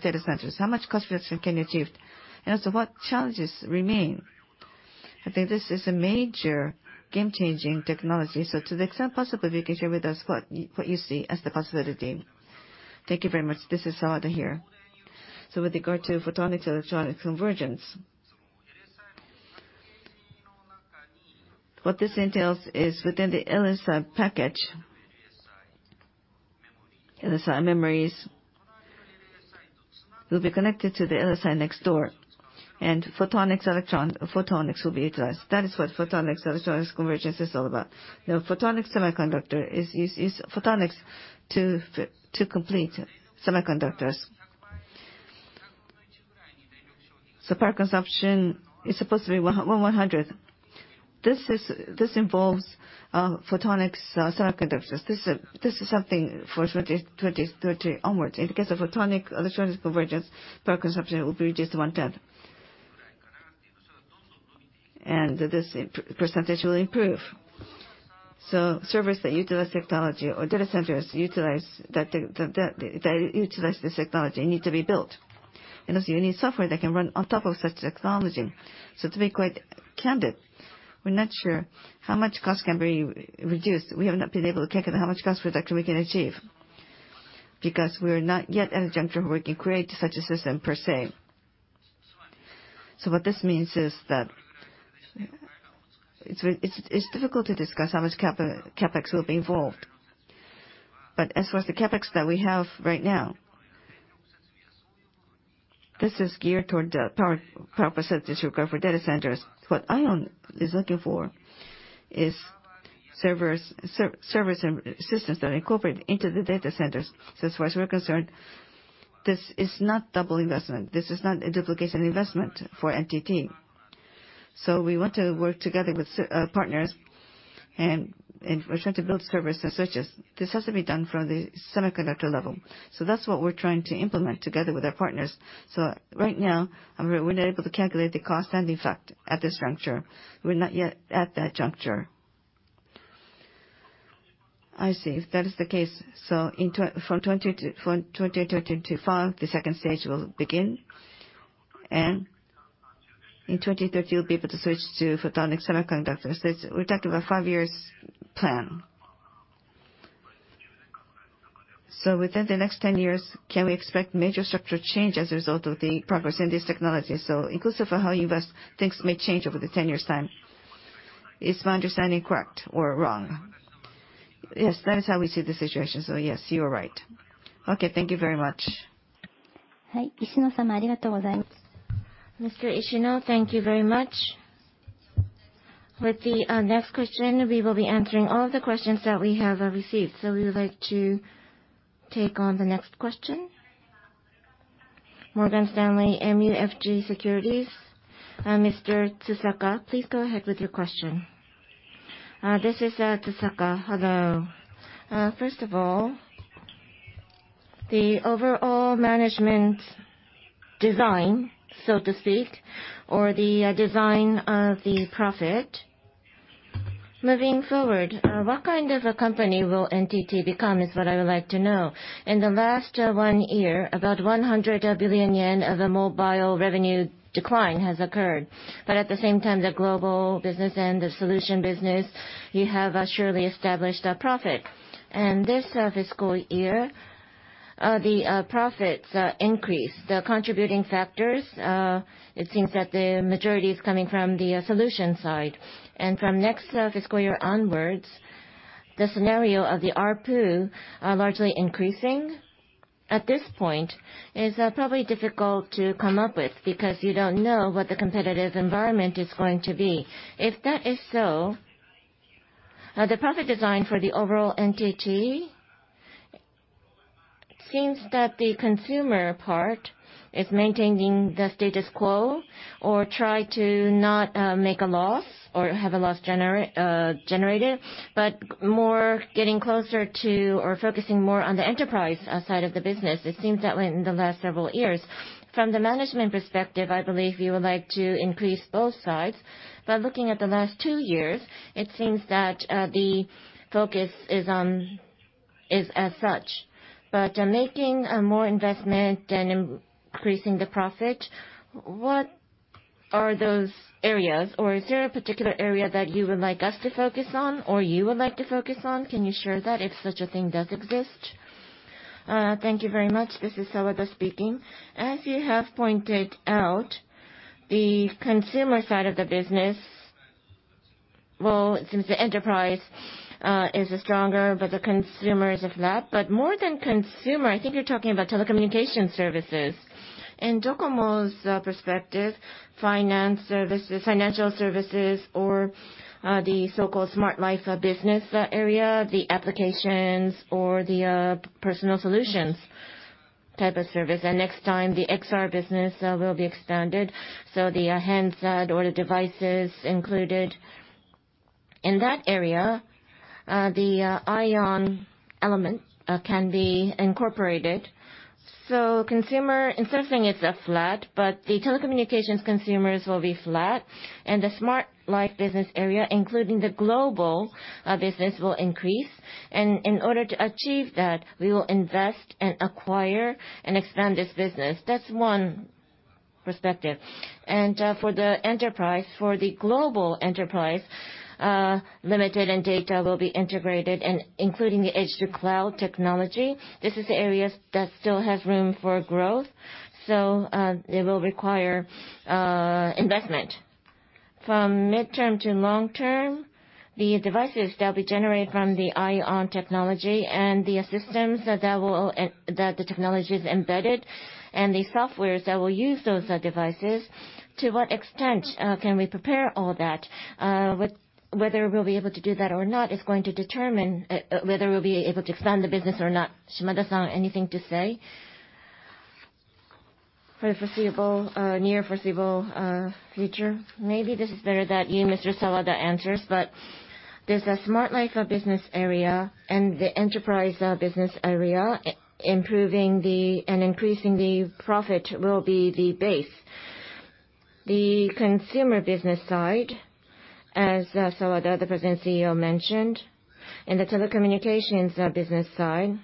data centers? How much cost reduction can you achieve? And also, what challenges remain? I think this is a major game-changing technology. To the extent possible, if you can share with us what you see as the possibility. Thank you very much. This is Sawada here. With regard to Photonics-Electronics Convergence, what this entails is within the LSI package, LSI memories will be connected to the LSI next door, and photonics will be utilized. That is what Photonics-Electronics Convergence is all about. Now, photonics semiconductor is photonics to complete semiconductors. Power consumption is supposed to be one-hundredth. This is something for 2020-2030 onwards. In the case of Photonics-Electronics Convergence, power consumption will be reduced to one-tenth. This percentage will improve. Servers that utilize this technology or data centers that utilize this technology need to be built. You need software that can run on top of such technology. To be quite candid, we're not sure how much cost can be reduced. We have not been able to calculate how much cost reduction we can achieve because we are not yet at a juncture where we can create such a system per se. What this means is that it's difficult to discuss how much CapEx will be involved. As far as the CapEx that we have right now, this is geared toward the power percentage required for data centers. What IOWN is looking for is servers and systems that are incorporated into the data centers. As far as we're concerned, this is not double investment. This is not a duplication investment for NTT. We want to work together with partners and we're trying to build servers and switches. This has to be done from the semiconductor level. That's what we're trying to implement together with our partners. Right now, we're not able to calculate the cost and effect at this juncture. We're not yet at that juncture. I see. If that is the case, from 2020-2025, the second stage will begin. In 2030, you'll be able to switch to photonic semiconductors. It's, we're talking about five years plan. Within the next 10 years, can we expect major structural change as a result of the progress in this technology? Inclusive of how you invest, things may change over the 10 years time. Is my understanding correct or wrong? Yes, that is how we see the situation. Yes, you are right. Okay, thank you very much. Mr. Ishino, thank you very much. With the next question, we will be answering all of the questions that we have received. We would like to take on the next question. Morgan Stanley MUFG Securities, Mr. Tsusaka, please go ahead with your question. This is Tsusaka. Hello. First of all, the overall management design, so to speak, or the design of the profit. Moving forward, what kind of a company will NTT become is what I would like to know. In the last one year, about 100 billion yen of a mobile revenue decline has occurred. At the same time, the global business and the solution business, you have surely established a profit. This fiscal year, the profits increased. The contributing factors, it seems that the majority is coming from the solution side. From next fiscal year onwards, the scenario of the ARPU largely increasing at this point is probably difficult to come up with because you don't know what the competitive environment is going to be. If that is so, the profit design for the overall NTT seems that the consumer part is maintaining the status quo or try to not make a loss or have a loss generated, but more getting closer to or focusing more on the enterprise side of the business, it seems that way in the last several years. From the management perspective, I believe you would like to increase both sides. Looking at the last two years, it seems that the focus is on this as such. Making more investment and increasing the profit, what are those areas? Is there a particular area that you would like us to focus on or you would like to focus on? Can you share that if such a thing does exist? Thank you very much. This is Sawada speaking. As you have pointed out, the consumer side of the business. Well, it seems the enterprise is stronger, but the consumer is flat. More than consumer, I think you're talking about telecommunication services. In Docomo's perspective, finance services, financial services or, the so-called Smart Life business area, the applications or the, personal solutions type of service. Next time, the XR business will be expanded. The handset or the devices included. In that area, the IOWN element can be incorporated. Consumer, in something it's flat, but the telecommunications consumers will be flat. The Smart Life business area, including the global business, will increase. In order to achieve that, we will invest and acquire and expand this business. That's one perspective. For the enterprise, for the global enterprise, NTT Limited and NTT DATA will be integrated including the edge-to-cloud technology. This is the area that still has room for growth. It will require investment. From mid- to long-term, the devices that we generate from the IOWN technology and the systems that the technology is embedded, and the software that will use t hose devices, to what extent can we prepare all that? Whether we'll be able to do that or not is going to determine whether we'll be able to expand the business or not. Shimada-san, anything to say for the foreseeable near foreseeable future? Maybe this is better that you, Mr. Sawada, answers. There's a Smart Life business area and the enterprise business area. Improving the and increasing the profit will be the base. The consumer business side, as Sawada, the President CEO, mentioned, and the telecommunications business side,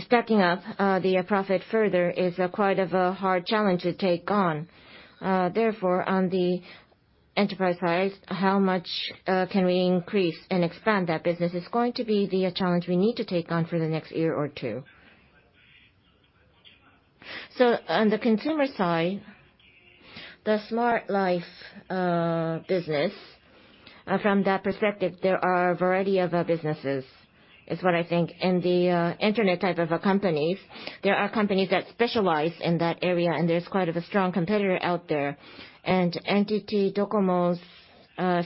stacking up the profit further is quite a hard challenge to take on. Therefore, on the enterprise side, how much can we increase and expand that business is going to be the challenge we need to take on for the next year or two. On the consumer side, the Smart Life business, from that perspective, there are a variety of other businesses, is what I think. In the internet type of companies, there are companies that specialize in that area, and there's quite a strong competitor out there. NTT DOCOMO's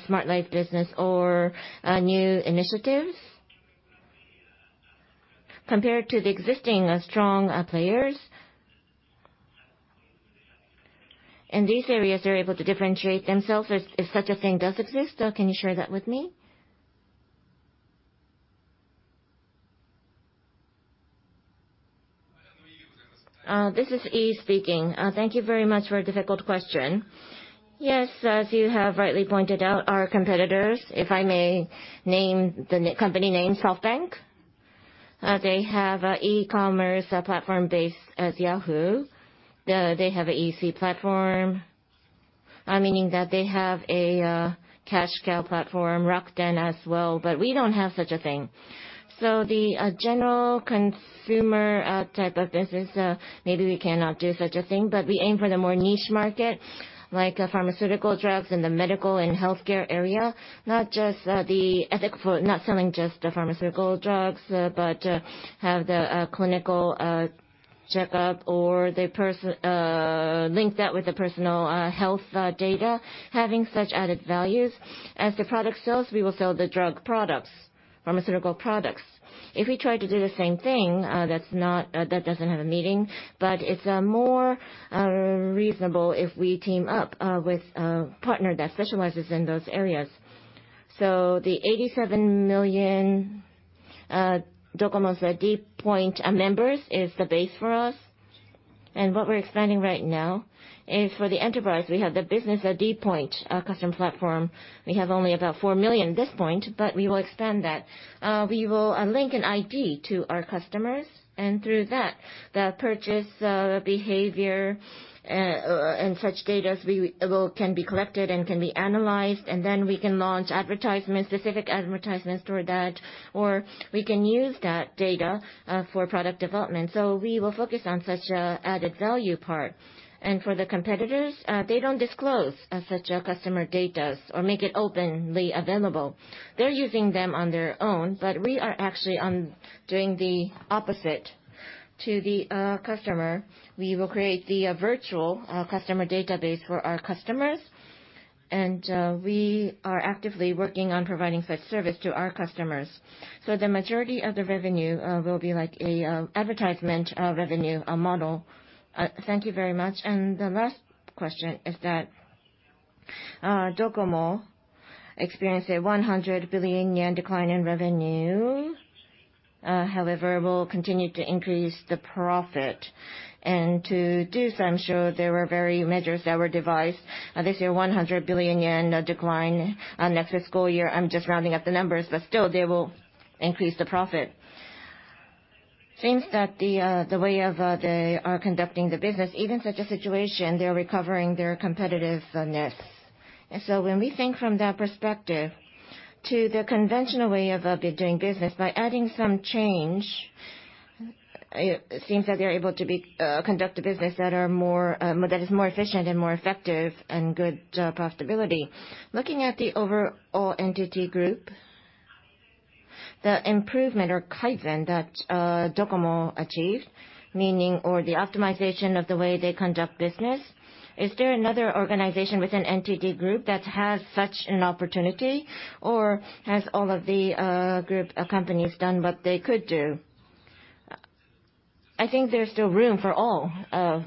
Smart Life business or new initiatives, compared to the existing strong players, in these areas, they're able to differentiate themselves. If such a thing does exist, can you share that with me? This is Ii speaking. Thank you very much for a difficult question. Yes, as you have rightly pointed out, our competitors, if I may name a company, SoftBank. They have an e-commerce platform based as Yahoo. They have an EC platform, meaning that they have a cash cow platform, Rakuten as well. We don't have such a thing. The general consumer type of business, maybe we cannot do such a thing, but we aim for the more niche market, like pharmaceutical drugs in the medical and healthcare area. Not just the ethical, not selling just the pharmaceutical drugs, but have the clinical checkup or the person link that with the personal health data. Having such added values. As the product sells, we will sell the drug products, pharmaceutical products. If we try to do the same thing, that's not, that doesn't have a meaning, but it's more reasonable if we team up with a partner that specializes in those areas. The 87 million DOCOMO's d POINT members is the base for us. What we're expanding right now is for the enterprise. We have the Business d POINT customer platform. We have only about four million at this point, but we will expand that. We will link an ID to our customers, and through that, the purchase behavior or and such data we will can be collected and can be analyzed, and then we can launch advertisements, specific advertisements toward that, or we can use that data for product development. We will focus on such a added value part. For the competitors, they don't disclose such a customer data or make it openly available. They're using them on their own, but we are actually doing the opposite to the customer. We will create the virtual customer database for our customers, and we are actively working on providing such service to our customers. The majority of the revenue will be like a advertising revenue model. Thank you very much. The last question is that DOCOMO experienced a 100 billion yen decline in revenue, however, will continue to increase the profit. To do so, I'm sure there were various measures that were devised. This year, 100 billion yen decline, next fiscal year, I'm just rounding up the numbers, but still they will increase the profit. Seems that the way they are conducting the business, even such a situation, they are recovering their competitiveness. When we think from that perspective to the conventional way of doing business by adding some change, it seems that they're able to conduct a business that is more efficient and more effective, and good profitability. Looking at the overall NTT Group, the improvement or kaizen that DOCOMO achieved, meaning or the optimization of the way they conduct business. Is there another organization within NTT Group that has such an opportunity? Or has all of the group companies done what they could do? I think there's still room for all of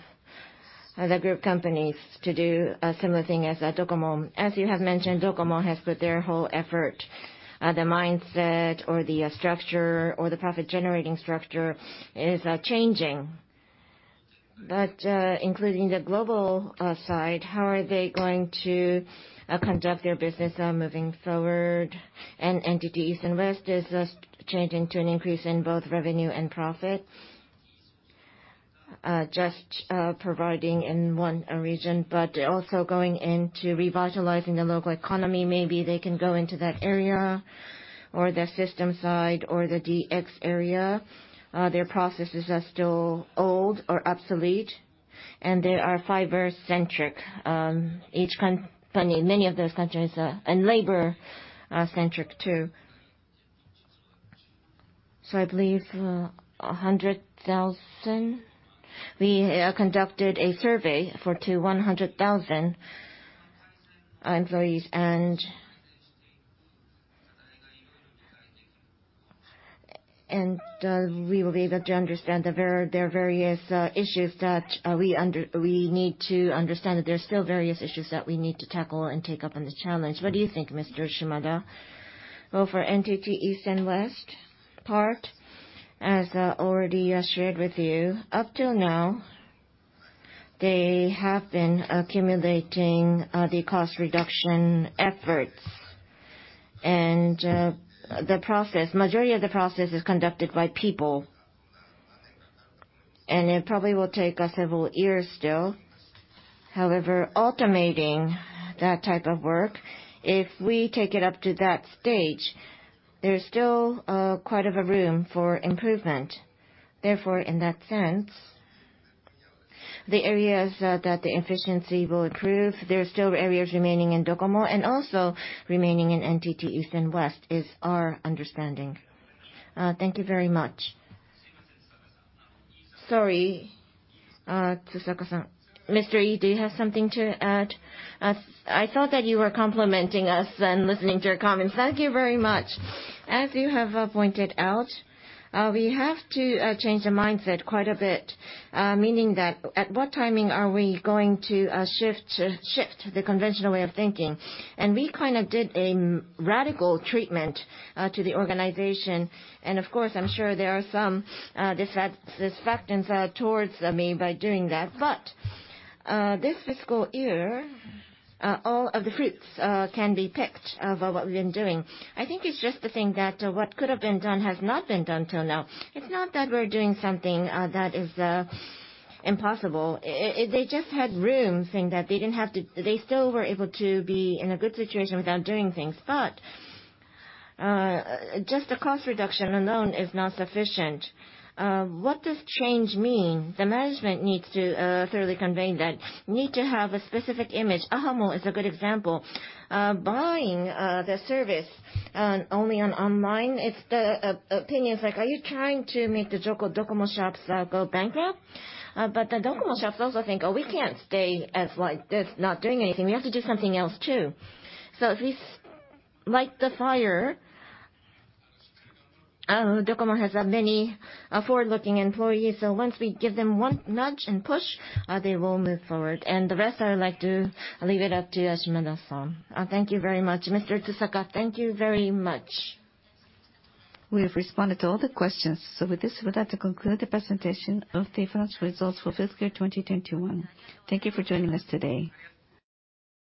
the group companies to do a similar thing as DOCOMO. As you have mentioned, DOCOMO has put their whole effort. The mindset or the structure, or the profit-generating structure is changing. Including the global side, how are they going to conduct their business moving forward? NTT East and West is just changing to an increase in both revenue and profit. Just providing in one region, but also going into revitalizing the local economy. Maybe they can go into that area, or the system side, or the DX area. Their processes are still old or obsolete, and they are fiber-centric. Each country, many of those countries, and labor-centric too. I believe 100,000. We conducted a survey of 100,000 employees and we will be able to understand that there are various issues that we need to understand that there are still various issues that we need to tackle and take up on the challenge. What do you think, Mr. Shimada? Well, for NTT East and West part, as already shared with you, up till now, they have been accumulating the cost reduction efforts. The process, majority of the process is conducted by people. It probably will take us several years still. However, automating that type of work, if we take it up to that stage, there's still quite of a room for improvement. Therefore, in that sense, the areas that the efficiency will improve, there are still areas remaining in DOCOMO and also remaining in NTT East and West, is our understanding. Thank you very much. Sorry, Tsusaka-san. Mr. Ii, do you have something to add? I thought that you were complimenting us and listening to your comments. Thank you very much. As you have pointed out, we have to change the mindset quite a bit, meaning that at what timing are we going to shift the conventional way of thinking. We kind of did a radical treatment to the organization. Of course, I'm sure there are some disaffection towards me by doing that. This fiscal year, all of the fruits can be picked for what we've been doing. I think it's just the thing that what could have been done has not been done till now. It's not that we're doing something that is impossible. They just had room, saying that they didn't have to. They still were able to be in a good situation without doing things. Just the cost reduction alone is not sufficient. What does change mean? The management needs to thoroughly convey that. Need to have a specific image. Ahamo is a good example. Buying the service only online, it's the opinions like, "Are you trying to make the Docomo shops go bankrupt?" The Docomo shops also think, "Oh, we can't stay like this, not doing anything. We have to do something else too." If we light the fire, Docomo has many forward-looking employees. Once we give them one nudge and push, they will move forward. The rest, I would like to leave it up to Shimada-san. Thank you very much. Mr. Tsusaka. thank you very much. We have responded to all the questions. With this, we'd like to conclude the presentation of the financial results for fiscal year 2021. Thank you for joining us today.